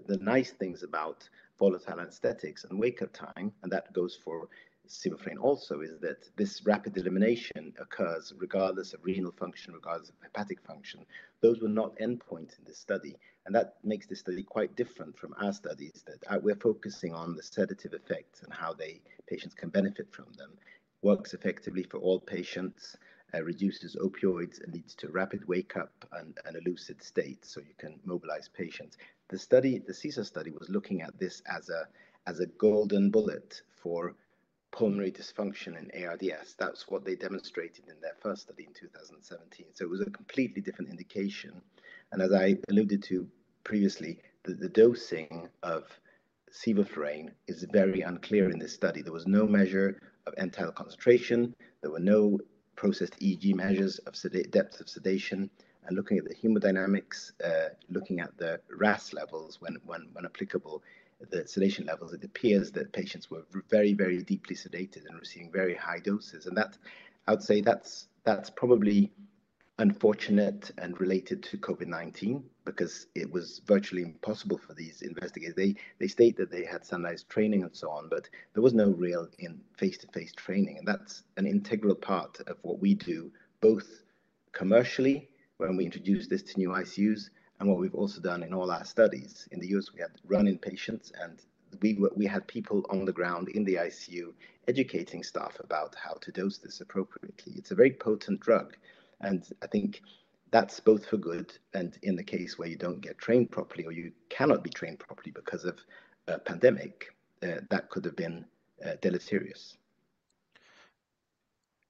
the nice things about volatile anesthetics and wake-up time, and that goes for sevoflurane also, is that this rapid elimination occurs regardless of renal function, regardless of hepatic function. Those were not endpoints in this study. That makes this study quite different from our studies that we're focusing on the sedative effects and how patients can benefit from them. Works effectively for all patients, reduces opioids, and leads to rapid wake-up and lucid state so you can mobilize patients. The SESAR study was looking at this as a golden bullet for pulmonary dysfunction in ARDS. That's what they demonstrated in their first study in 2017. It was a completely different indication. As I alluded to previously, the dosing of sevoflurane is very unclear in this study. There was no measure of end-tidal concentration. There were no processed EEG measures of depth of sedation. Looking at the hemodynamics, looking at the RASS levels when applicable, the sedation levels, it appears that patients were very, very deeply sedated and receiving very high doses. I would say that's probably unfortunate and related to COVID-19 because it was virtually impossible for these investigators. They state that they had standardized training and so on, but there was no real face-to-face training. That's an integral part of what we do both commercially when we introduce this to new ICUs and what we've also done in all our studies. In the U.S., we had run-in patients, and we had people on the ground in the ICU educating staff about how to dose this appropriately. It's a very potent drug. I think that's both for good and in the case where you don't get trained properly or you cannot be trained properly because of a pandemic, that could have been deleterious.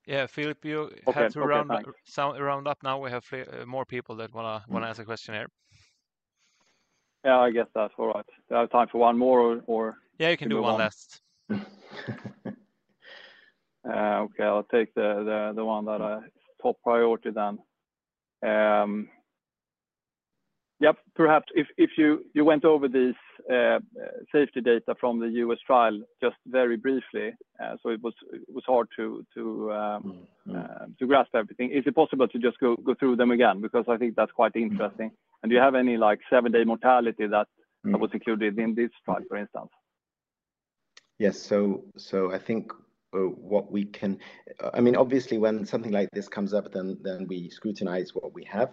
Yeah. Philip, you have to round up now. We have more people that want to ask a question here. Yeah. I guess that's all right. Do I have time for one more or? Yeah. You can do one last. Okay. I'll take the one that is top priority then. Yep. Perhaps if you went over these safety data from the U.S. trial just very briefly, so it was hard to grasp everything, is it possible to just go through them again? Because I think that's quite interesting. Do you have any seven-day mortality that was included in this trial, for instance? Yes. I think what we can, I mean, obviously, when something like this comes up, we scrutinize what we have.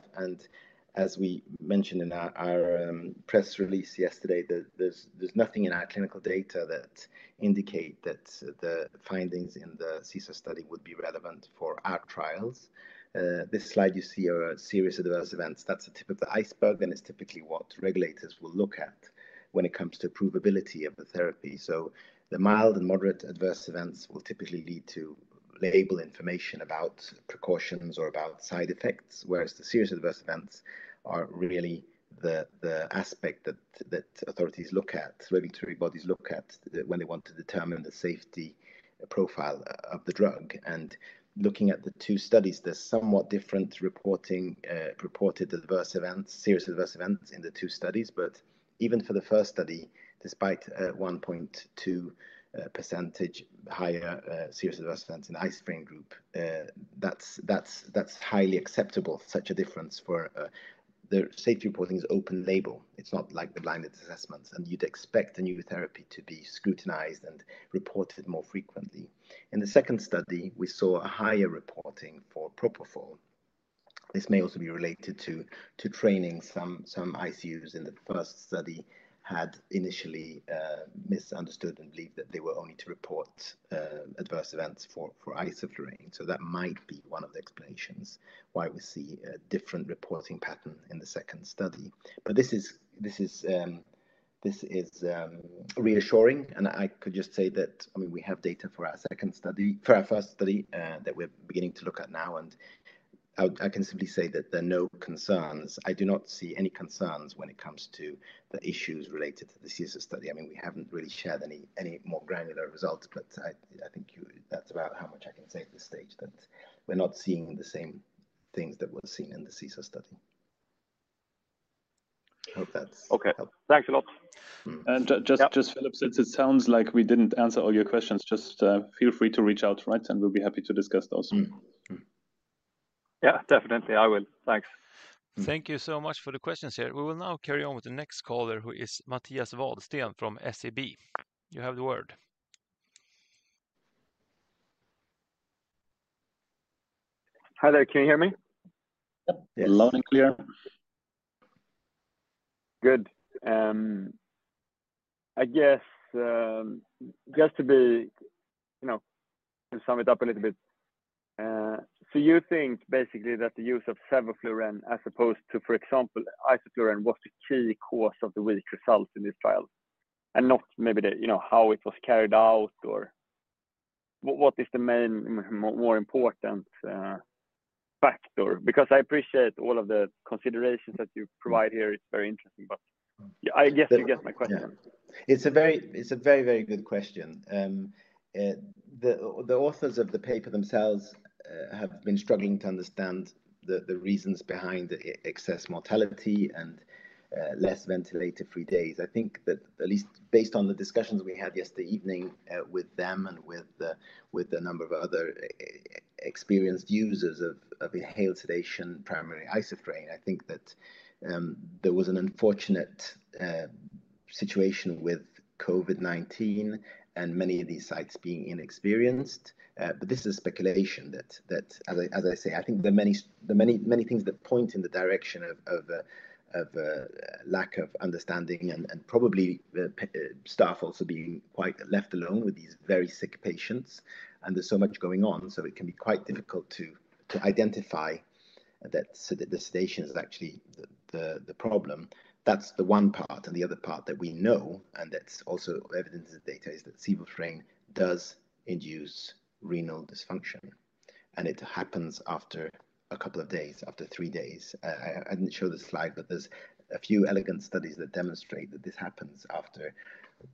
As we mentioned in our press release yesterday, there is nothing in our clinical data that indicates that the findings in the SESAR study would be relevant for our trials. This slide you see are serious adverse events. That is the tip of the iceberg. It is typically what regulators will look at when it comes to provability of the therapy. The mild and moderate adverse events will typically lead to label information about precautions or about side effects, whereas the serious adverse events are really the aspect that authorities look at, regulatory bodies look at when they want to determine the safety profile of the drug. Looking at the two studies, there's somewhat different reported adverse events, serious adverse events in the two studies. Even for the first study, despite a 1.2% higher serious adverse events in the isoflurane group, that's highly acceptable, such a difference for the safety reporting is open label. It's not like the blinded assessments. You'd expect a new therapy to be scrutinized and reported more frequently. In the second study, we saw a higher reporting for propofol. This may also be related to training. Some ICUs in the first study had initially misunderstood and believed that they were only to report adverse events for isoflurane. That might be one of the explanations why we see a different reporting pattern in the second study. This is reassuring. I could just say that, I mean, we have data for our second study, for our first study that we're beginning to look at now. I can simply say that there are no concerns. I do not see any concerns when it comes to the issues related to the SESAR study. I mean, we haven't really shared any more granular results. I think that's about how much I can say at this stage, that we're not seeing the same things that were seen in the SESAR study. I hope that's helpful. Thanks a lot. Just, Philip, since it sounds like we didn't answer all your questions, just feel free to reach out, right? We'll be happy to discuss those. Yeah. Definitely. I will. Thanks. Thank you so much for the questions here. We will now carry on with the next caller, who is Mattias Vadsten from SEB. You have the word. Hi there. Can you hear me? Yep. Loud and clear. Good. I guess just to sum it up a little bit, so you think basically that the use of sevoflurane as opposed to, for example, isoflurane was the key cause of the weak results in this trial and not maybe how it was carried out or what is the main more important factor? Because I appreciate all of the considerations that you provide here. It's very interesting, but I guess you get my question. It's a very, very good question. The authors of the paper themselves have been struggling to understand the reasons behind excess mortality and less ventilator-free days. I think that at least based on the discussions we had yesterday evening with them and with a number of other experienced users of inhaled sedation, primarily isoflurane, I think that there was an unfortunate situation with COVID-19 and many of these sites being inexperienced. This is speculation that, as I say, I think there are many things that point in the direction of a lack of understanding and probably staff also being quite left alone with these very sick patients. There is so much going on, so it can be quite difficult to identify that the sedation is actually the problem. That is the one part. The other part that we know, and that is also evidence of data, is that sevoflurane does induce renal dysfunction. It happens after a couple of days, after three days. I didn't show this slide, but there's a few elegant studies that demonstrate that this happens after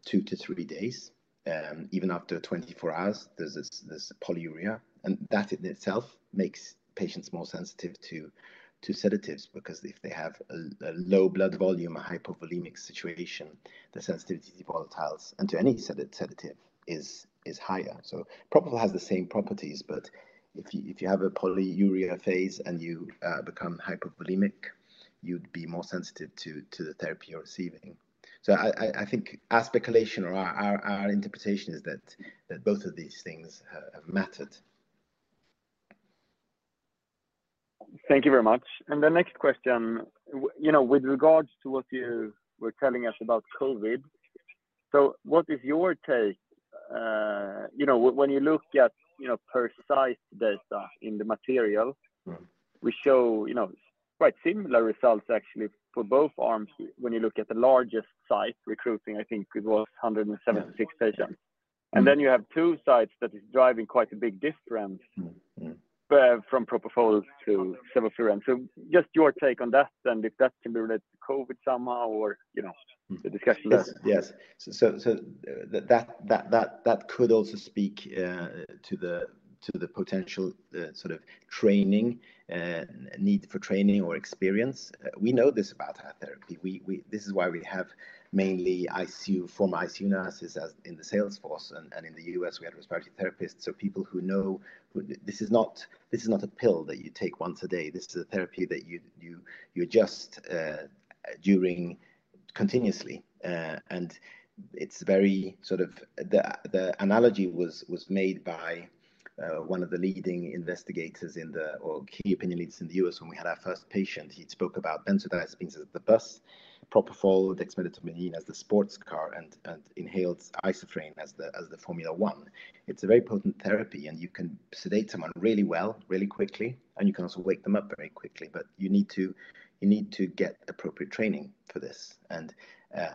two to three days. Even after 24 hours, there's this polyuria. That in itself makes patients more sensitive to sedatives because if they have a low blood volume, a hypovolemic situation, the sensitivity to volatiles and to any sedative is higher. Propofol has the same properties, but if you have a polyuria phase and you become hypovolemic, you'd be more sensitive to the therapy you're receiving. I think our speculation or our interpretation is that both of these things have mattered. Thank you very much. The next question, with regards to what you were telling us about COVID, what is your take? When you look at per site data in the material, we show quite similar results actually for both arms when you look at the largest site recruiting, I think it was 176 patients. Then you have two sites that are driving quite a big difference from propofol to sevoflurane. Just your take on that and if that can be related to COVID somehow or the discussion there. Yes. That could also speak to the potential sort of training need for training or experience. We know this about our therapy. This is why we have mainly former ICU nurses in the sales force. In the U.S., we had respiratory therapists. People who know this is not a pill that you take once a day. This is a therapy that you adjust continuously. It is very sort of the analogy that was made by one of the leading investigators or key opinion leaders in the U.S. when we had our first patient. He spoke about benzodiazepines as the bus, propofol, dexmedetomidine as the sports car, and inhaled isoflurane as the Formula One. It is a very potent therapy. You can sedate someone really well, really quickly. You can also wake them up very quickly. You need to get appropriate training for this.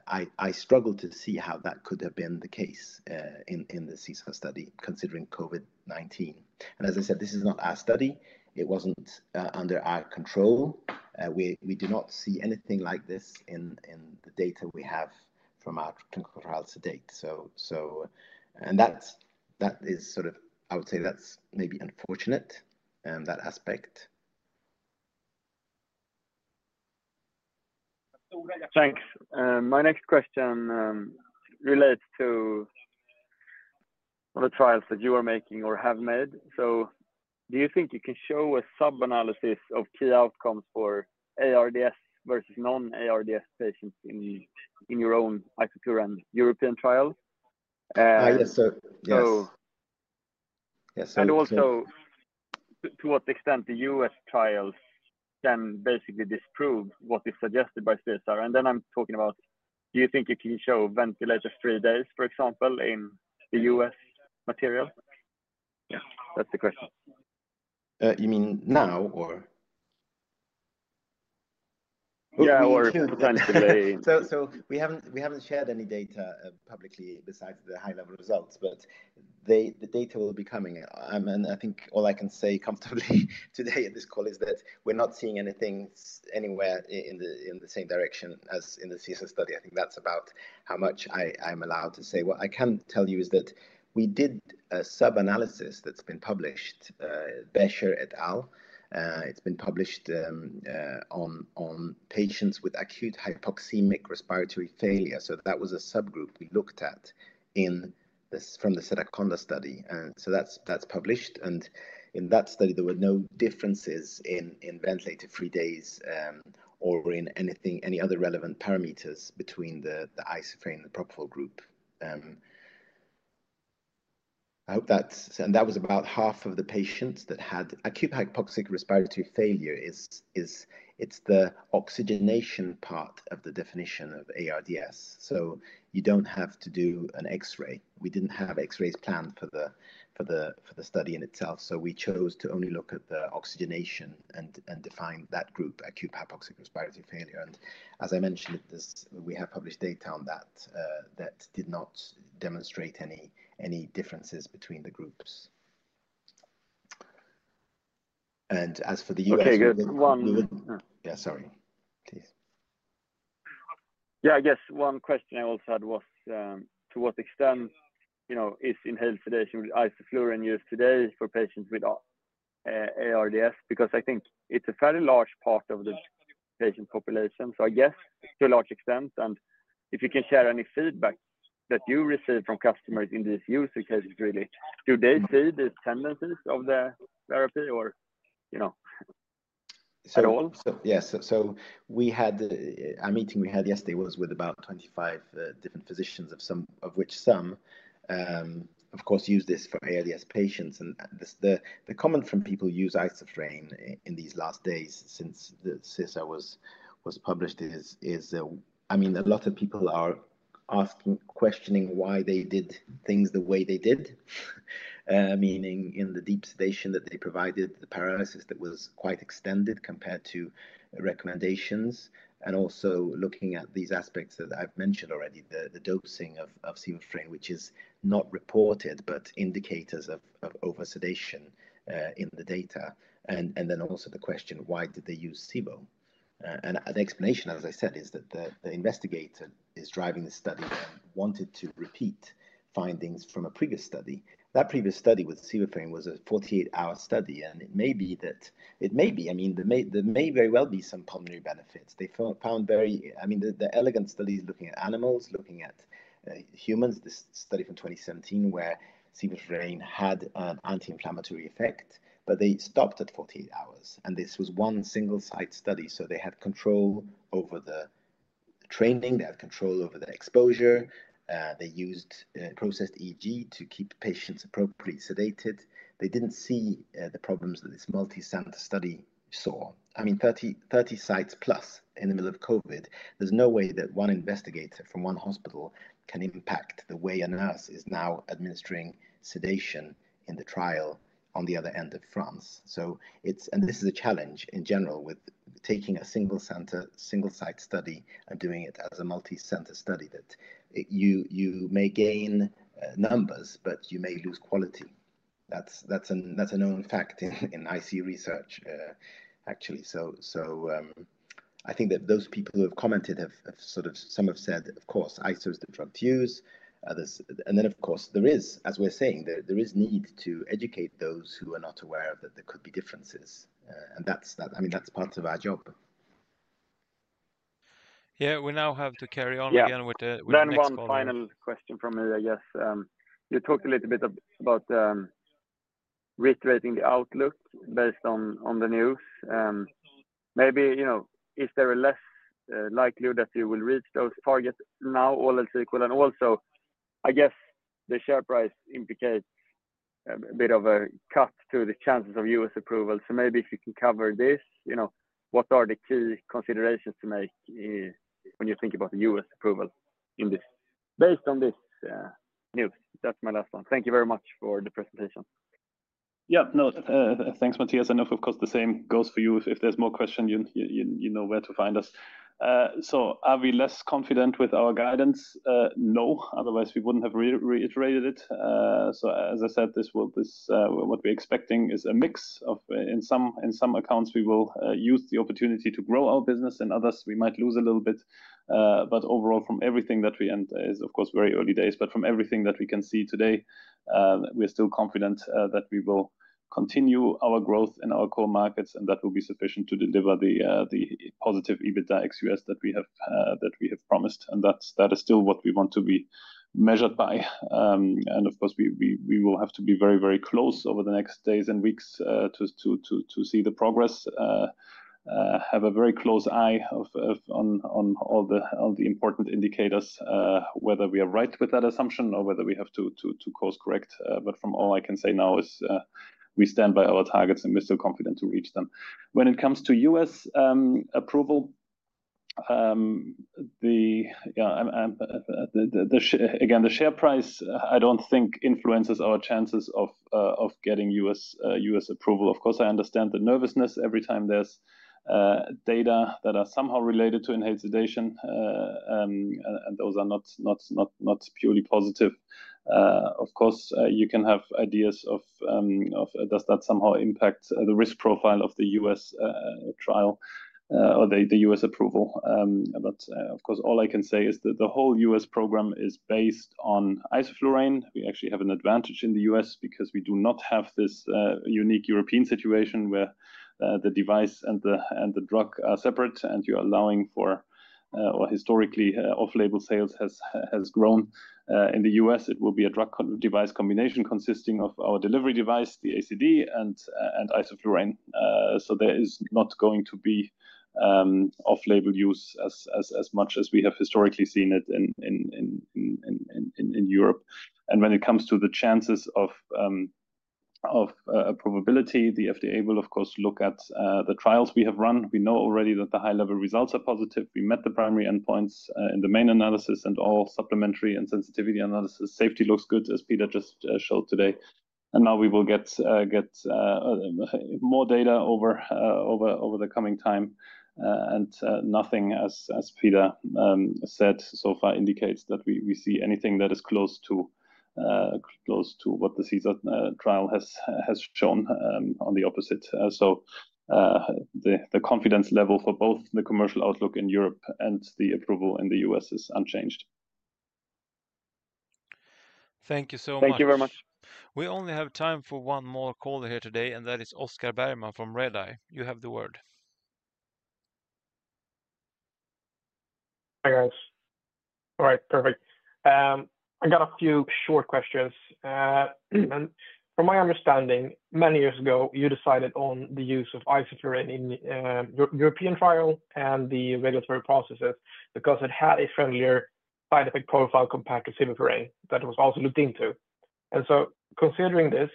I struggle to see how that could have been the case in the SESAR study considering COVID-19. As I said, this is not our study. It was not under our control. We do not see anything like this in the data we have from our clinical trials to date. That is, I would say, maybe unfortunate, that aspect. Thanks. My next question relates to the trials that you are making or have made. Do you think you can show a sub-analysis of key outcomes for ARDS versus non-ARDS patients in your own isoflurane European trial? Yes. Yes. Also, to what extent the US trials can basically disprove what is suggested by SESAR? I am talking about, do you think you can show ventilator-free days, for example, in the US material? Yeah. That is the question. You mean now or potentially? We have not shared any data publicly besides the high-level results. The data will be coming. I think all I can say comfortably today at this call is that we are not seeing anything anywhere in the same direction as in the SESAR study. I think that is about how much I am allowed to say. What I can tell you is that we did a sub-analysis that's been published, Becher et al. It's been published on patients with acute hypoxemic respiratory failure. That was a subgroup we looked at from the Sedaconda study. That is published. In that study, there were no differences in ventilator-free days or in any other relevant parameters between the isoflurane and the propofol group. That was about half of the patients that had acute hypoxic respiratory failure. It's the oxygenation part of the definition of ARDS. You don't have to do an X-ray. We didn't have X-rays planned for the study in itself. We chose to only look at the oxygenation and define that group, acute hypoxic respiratory failure. As I mentioned, we have published data on that that did not demonstrate any differences between the groups. As for the U.S. study. Okay. Good. Yeah. Sorry. Please. Yeah. I guess one question I also had was to what extent is inhaled sedation with isoflurane used today for patients with ARDS? Because I think it's a fairly large part of the patient population. I guess to a large extent, and if you can share any feedback that you received from customers in these use cases, really, do they see these tendencies of the therapy or at all? Yes. Our meeting we had yesterday was with about 25 different physicians, of which some, of course, use this for ARDS patients. The comment from people who use isoflurane in these last days since the SESAR was published is, I mean, a lot of people are questioning why they did things the way they did, meaning in the deep sedation that they provided, the paralysis that was quite extended compared to recommendations. Also looking at these aspects that I've mentioned already, the dosing of sevoflurane, which is not reported but indicators of over-sedation in the data. There is also the question, why did they use sevo? The explanation, as I said, is that the investigator is driving the study and wanted to repeat findings from a previous study. That previous study with sevoflurane was a 48-hour study. It may be that it may be. I mean, there may very well be some pulmonary benefits. I mean, the elegant study is looking at animals, looking at humans, this study from 2017 where sevoflurane had an anti-inflammatory effect. They stopped at 48 hours. This was one single-site study. They had control over the training. They had control over the exposure. They used processed EEG to keep patients appropriately sedated. They didn't see the problems that this multisite study saw. I mean, 30 sites plus in the middle of COVID. There's no way that one investigator from one hospital can impact the way a nurse is now administering sedation in the trial on the other end of France. This is a challenge in general with taking a single-site study and doing it as a multisite study that you may gain numbers, but you may lose quality. That's a known fact in ICU research, actually. I think that those people who have commented have sort of, some have said, of course, Iso is the drug to use. Of course, there is, as we're saying, there is need to educate those who are not aware that there could be differences. I mean, that's part of our job. Yeah. We now have to carry on again with the next one. Then one final question from me, I guess. You talked a little bit about reiterating the outlook based on the news. Maybe is there a less likely that you will reach those targets now or else equal? And also, I guess the share price implicates a bit of a cut to the chances of U.S. approval. Maybe if you can cover this, what are the key considerations to make when you think about the U.S. approval based on this news? That's my last one. Thank you very much for the presentation. Yeah. No. Thanks, Mattias. Of course, the same goes for you. If there's more questions, you know where to find us. Are we less confident with our guidance? No. Otherwise, we wouldn't have reiterated it. As I said, what we're expecting is a mix of in some accounts, we will use the opportunity to grow our business. In others, we might lose a little bit. Overall, from everything that we, and it is, of course, very early days, but from everything that we can see today, we're still confident that we will continue our growth in our core markets. That will be sufficient to deliver the positive EBITDA ex-U.S. that we have promised. That is still what we want to be measured by. Of course, we will have to be very, very close over the next days and weeks to see the progress, have a very close eye on all the important indicators, whether we are right with that assumption or whether we have to course correct. From all I can say now is we stand by our targets, and we're still confident to reach them. When it comes to U.S. approval, again, the share price, I don't think influences our chances of getting U.S. approval. Of course, I understand the nervousness every time there's data that are somehow related to inhaled sedation. Those are not purely positive. Of course, you can have ideas of does that somehow impact the risk profile of the U.S. trial or the U.S. approval. All I can say is that the whole US program is based on isoflurane. We actually have an advantage in the U.S. because we do not have this unique European situation where the device and the drug are separate and you're allowing for, or historically, off-label sales has grown in the U.S. It will be a drug-device combination consisting of our delivery device, the ACD, and isoflurane. There is not going to be off-label use as much as we have historically seen it in Europe. When it comes to the chances of probability, the FDA will, of course, look at the trials we have run. We know already that the high-level results are positive. We met the primary endpoints in the main analysis and all supplementary and sensitivity analysis. Safety looks good, as Peter just showed today. We will get more data over the coming time. Nothing, as Peter said so far, indicates that we see anything that is close to what the SESAR trial has shown on the opposite. The confidence level for both the commercial outlook in Europe and the approval in the U.S. is unchanged. Thank you so much. Thank you very much. We only have time for one more caller here today. That is Oscar Bergman from Redeye. You have the word. Hi, guys. All right. Perfect. I got a few short questions. From my understanding, many years ago, you decided on the use of isoflurane in your European trial and the regulatory processes because it had a friendlier side effect profile compared to sevoflurane that was also looked into. Considering this,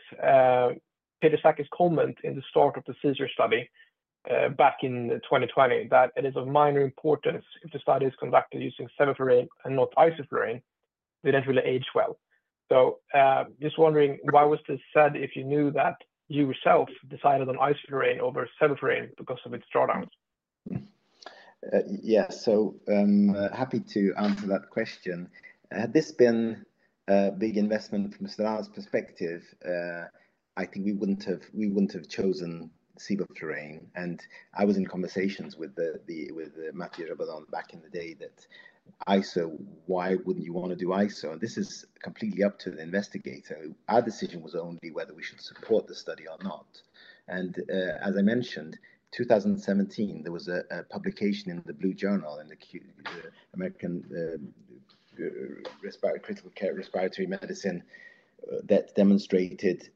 Peter Sackey commented in the start of the SESAR study back in 2020 that it is of minor importance if the study is conducted using sevoflurane and not isoflurane. They do not really age well. Just wondering why was this said if you knew that you yourself decided on isoflurane over sevoflurane because of its drawdowns? Yes. Happy to answer that question. Had this been a big investment from a Sedana's perspective, I think we wouldn't have chosen sevoflurane. I was in conversations with Matthieu Jabaudon back in the day that, "ISO, why wouldn't you want to do ISO?" This is completely up to the investigator. Our decision was only whether we should support the study or not. As I mentioned, in 2017, there was a publication in The Blue Journal in the American Respiratory Medicine that demonstrated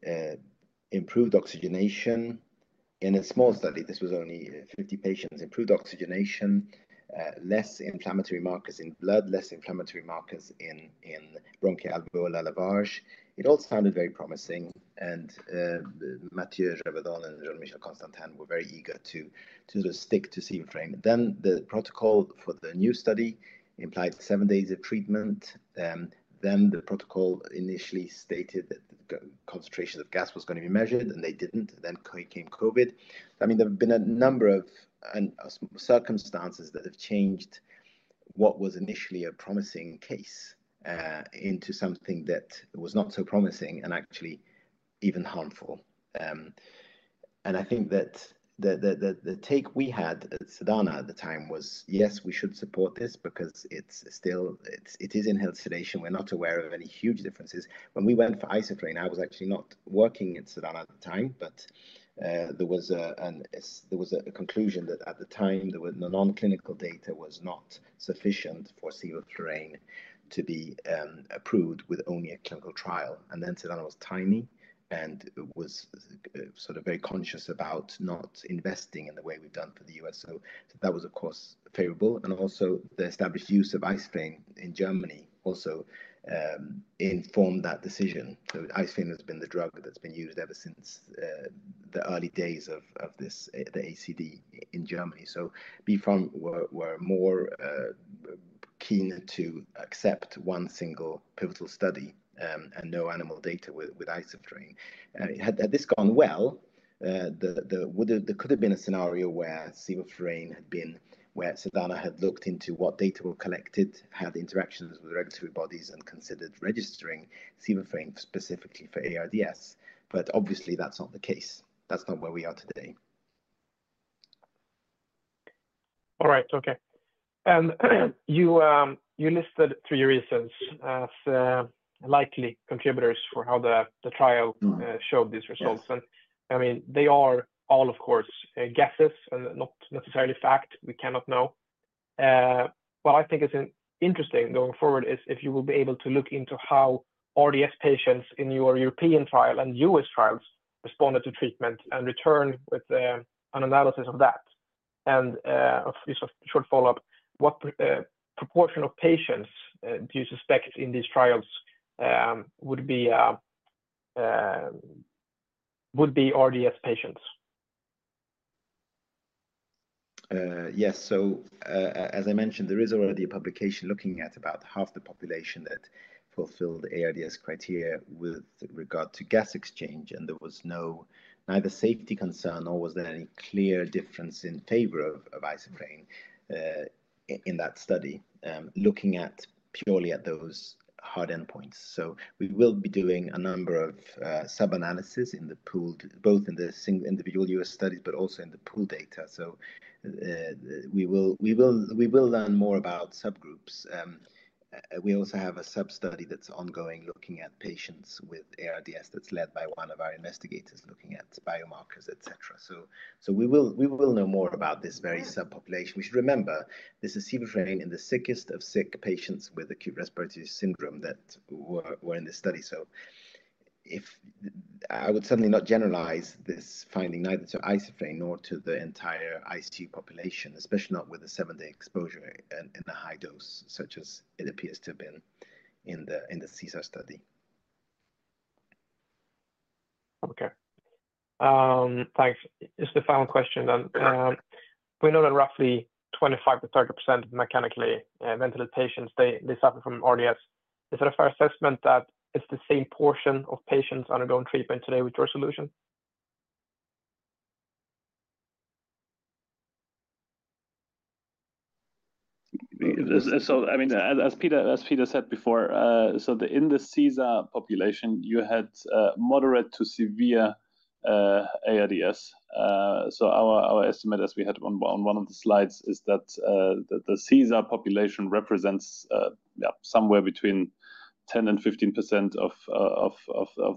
improved oxygenation in a small study. This was only 50 patients, improved oxygenation, less inflammatory markers in blood, less inflammatory markers in bronchoalveolar lavage. It all sounded very promising. Matthieu Jabaudon and Jean-Michel Constantin were very eager to stick to sevoflurane. The protocol for the new study implied seven days of treatment. The protocol initially stated that the concentration of gas was going to be measured, and they did not. I mean, there have been a number of circumstances that have changed what was initially a promising case into something that was not so promising and actually even harmful. I think that the take we had at Sedana at the time was, "Yes, we should support this because it is inhaled sedation. We're not aware of any huge differences." When we went for isoflurane, I was actually not working at Sedana at the time. There was a conclusion that at the time, the non-clinical data was not sufficient for sevoflurane to be approved with only a clinical trial. Sedana was tiny and was sort of very conscious about not investing in the way we have done for the US. That was, of course, favorable. The established use of isoflurane in Germany also informed that decision. Isoflurane has been the drug that's been used ever since the early days of the ACD in Germany. BfArM were more keen to accept one single pivotal study and no animal data with isoflurane. Had this gone well, there could have been a scenario where sevoflurane had been where Sedana had looked into what data were collected, had interactions with regulatory bodies, and considered registering sevoflurane specifically for ARDS. Obviously, that's not the case. That's not where we are today. All right. Okay. You listed three reasons as likely contributors for how the trial showed these results. I mean, they are all, of course, guesses and not necessarily fact. We cannot know. What I think is interesting going forward is if you will be able to look into how ARDS patients in your European trial and US trials responded to treatment and return with an analysis of that. A short follow-up, what proportion of patients do you suspect in these trials would be ARDS patients? Yes. As I mentioned, there is already a publication looking at about half the population that fulfilled ARDS criteria with regard to gas exchange. There was neither safety concern nor was there any clear difference in favor of isoflurane in that study looking purely at those hard endpoints. We will be doing a number of sub-analyses both in the single individual US studies but also in the pooled data. We will learn more about subgroups. We also have a sub-study that's ongoing looking at patients with ARDS that's led by one of our investigators looking at biomarkers, etc. We will know more about this very subpopulation. We should remember, this is sevoflurane in the sickest of sick patients with acute respiratory syndrome that were in the study. I would certainly not generalize this finding neither to isoflurane nor to the entire ICU population, especially not with a seven-day exposure in a high dose such as it appears to have been in the SESAR study. Okay. Thanks. Just a final question then. We know that roughly 25-30% of mechanically ventilated patients, they suffer from ARDS. Is it a fair assessment that it's the same portion of patients undergoing treatment today with your solution? I mean, as Peter said before, in the SESAR population, you had moderate to severe ARDS. Our estimate, as we had on one of the slides, is that the SESAR population represents somewhere between 10-15% of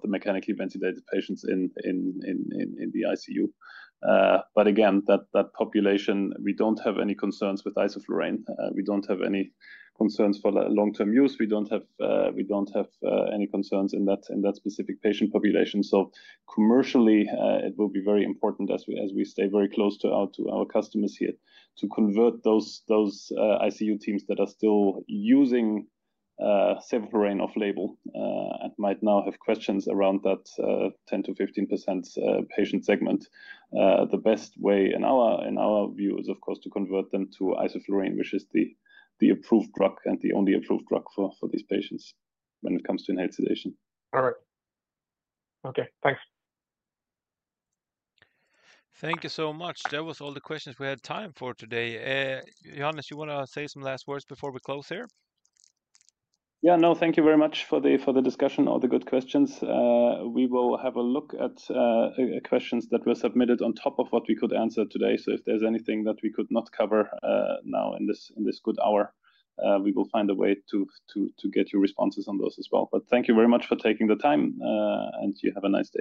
the mechanically ventilated patients in the ICU. Again, that population, we do not have any concerns with isoflurane. We do not have any concerns for long-term use. We do not have any concerns in that specific patient population. Commercially, it will be very important as we stay very close to our customers here to convert those ICU teams that are still using sevoflurane off-label. I might now have questions around that 10-15% patient segment. The best way, in our view, is, of course, to convert them to isoflurane, which is the approved drug and the only approved drug for these patients when it comes to inhaled sedation. All right. Okay. Thanks. Thank you so much. That was all the questions we had time for today. Johannes, you want to say some last words before we close here? Yeah. No, thank you very much for the discussion, all the good questions. We will have a look at questions that were submitted on top of what we could answer today. If there's anything that we could not cover now in this good hour, we will find a way to get your responses on those as well. Thank you very much for taking the time. You have a nice day.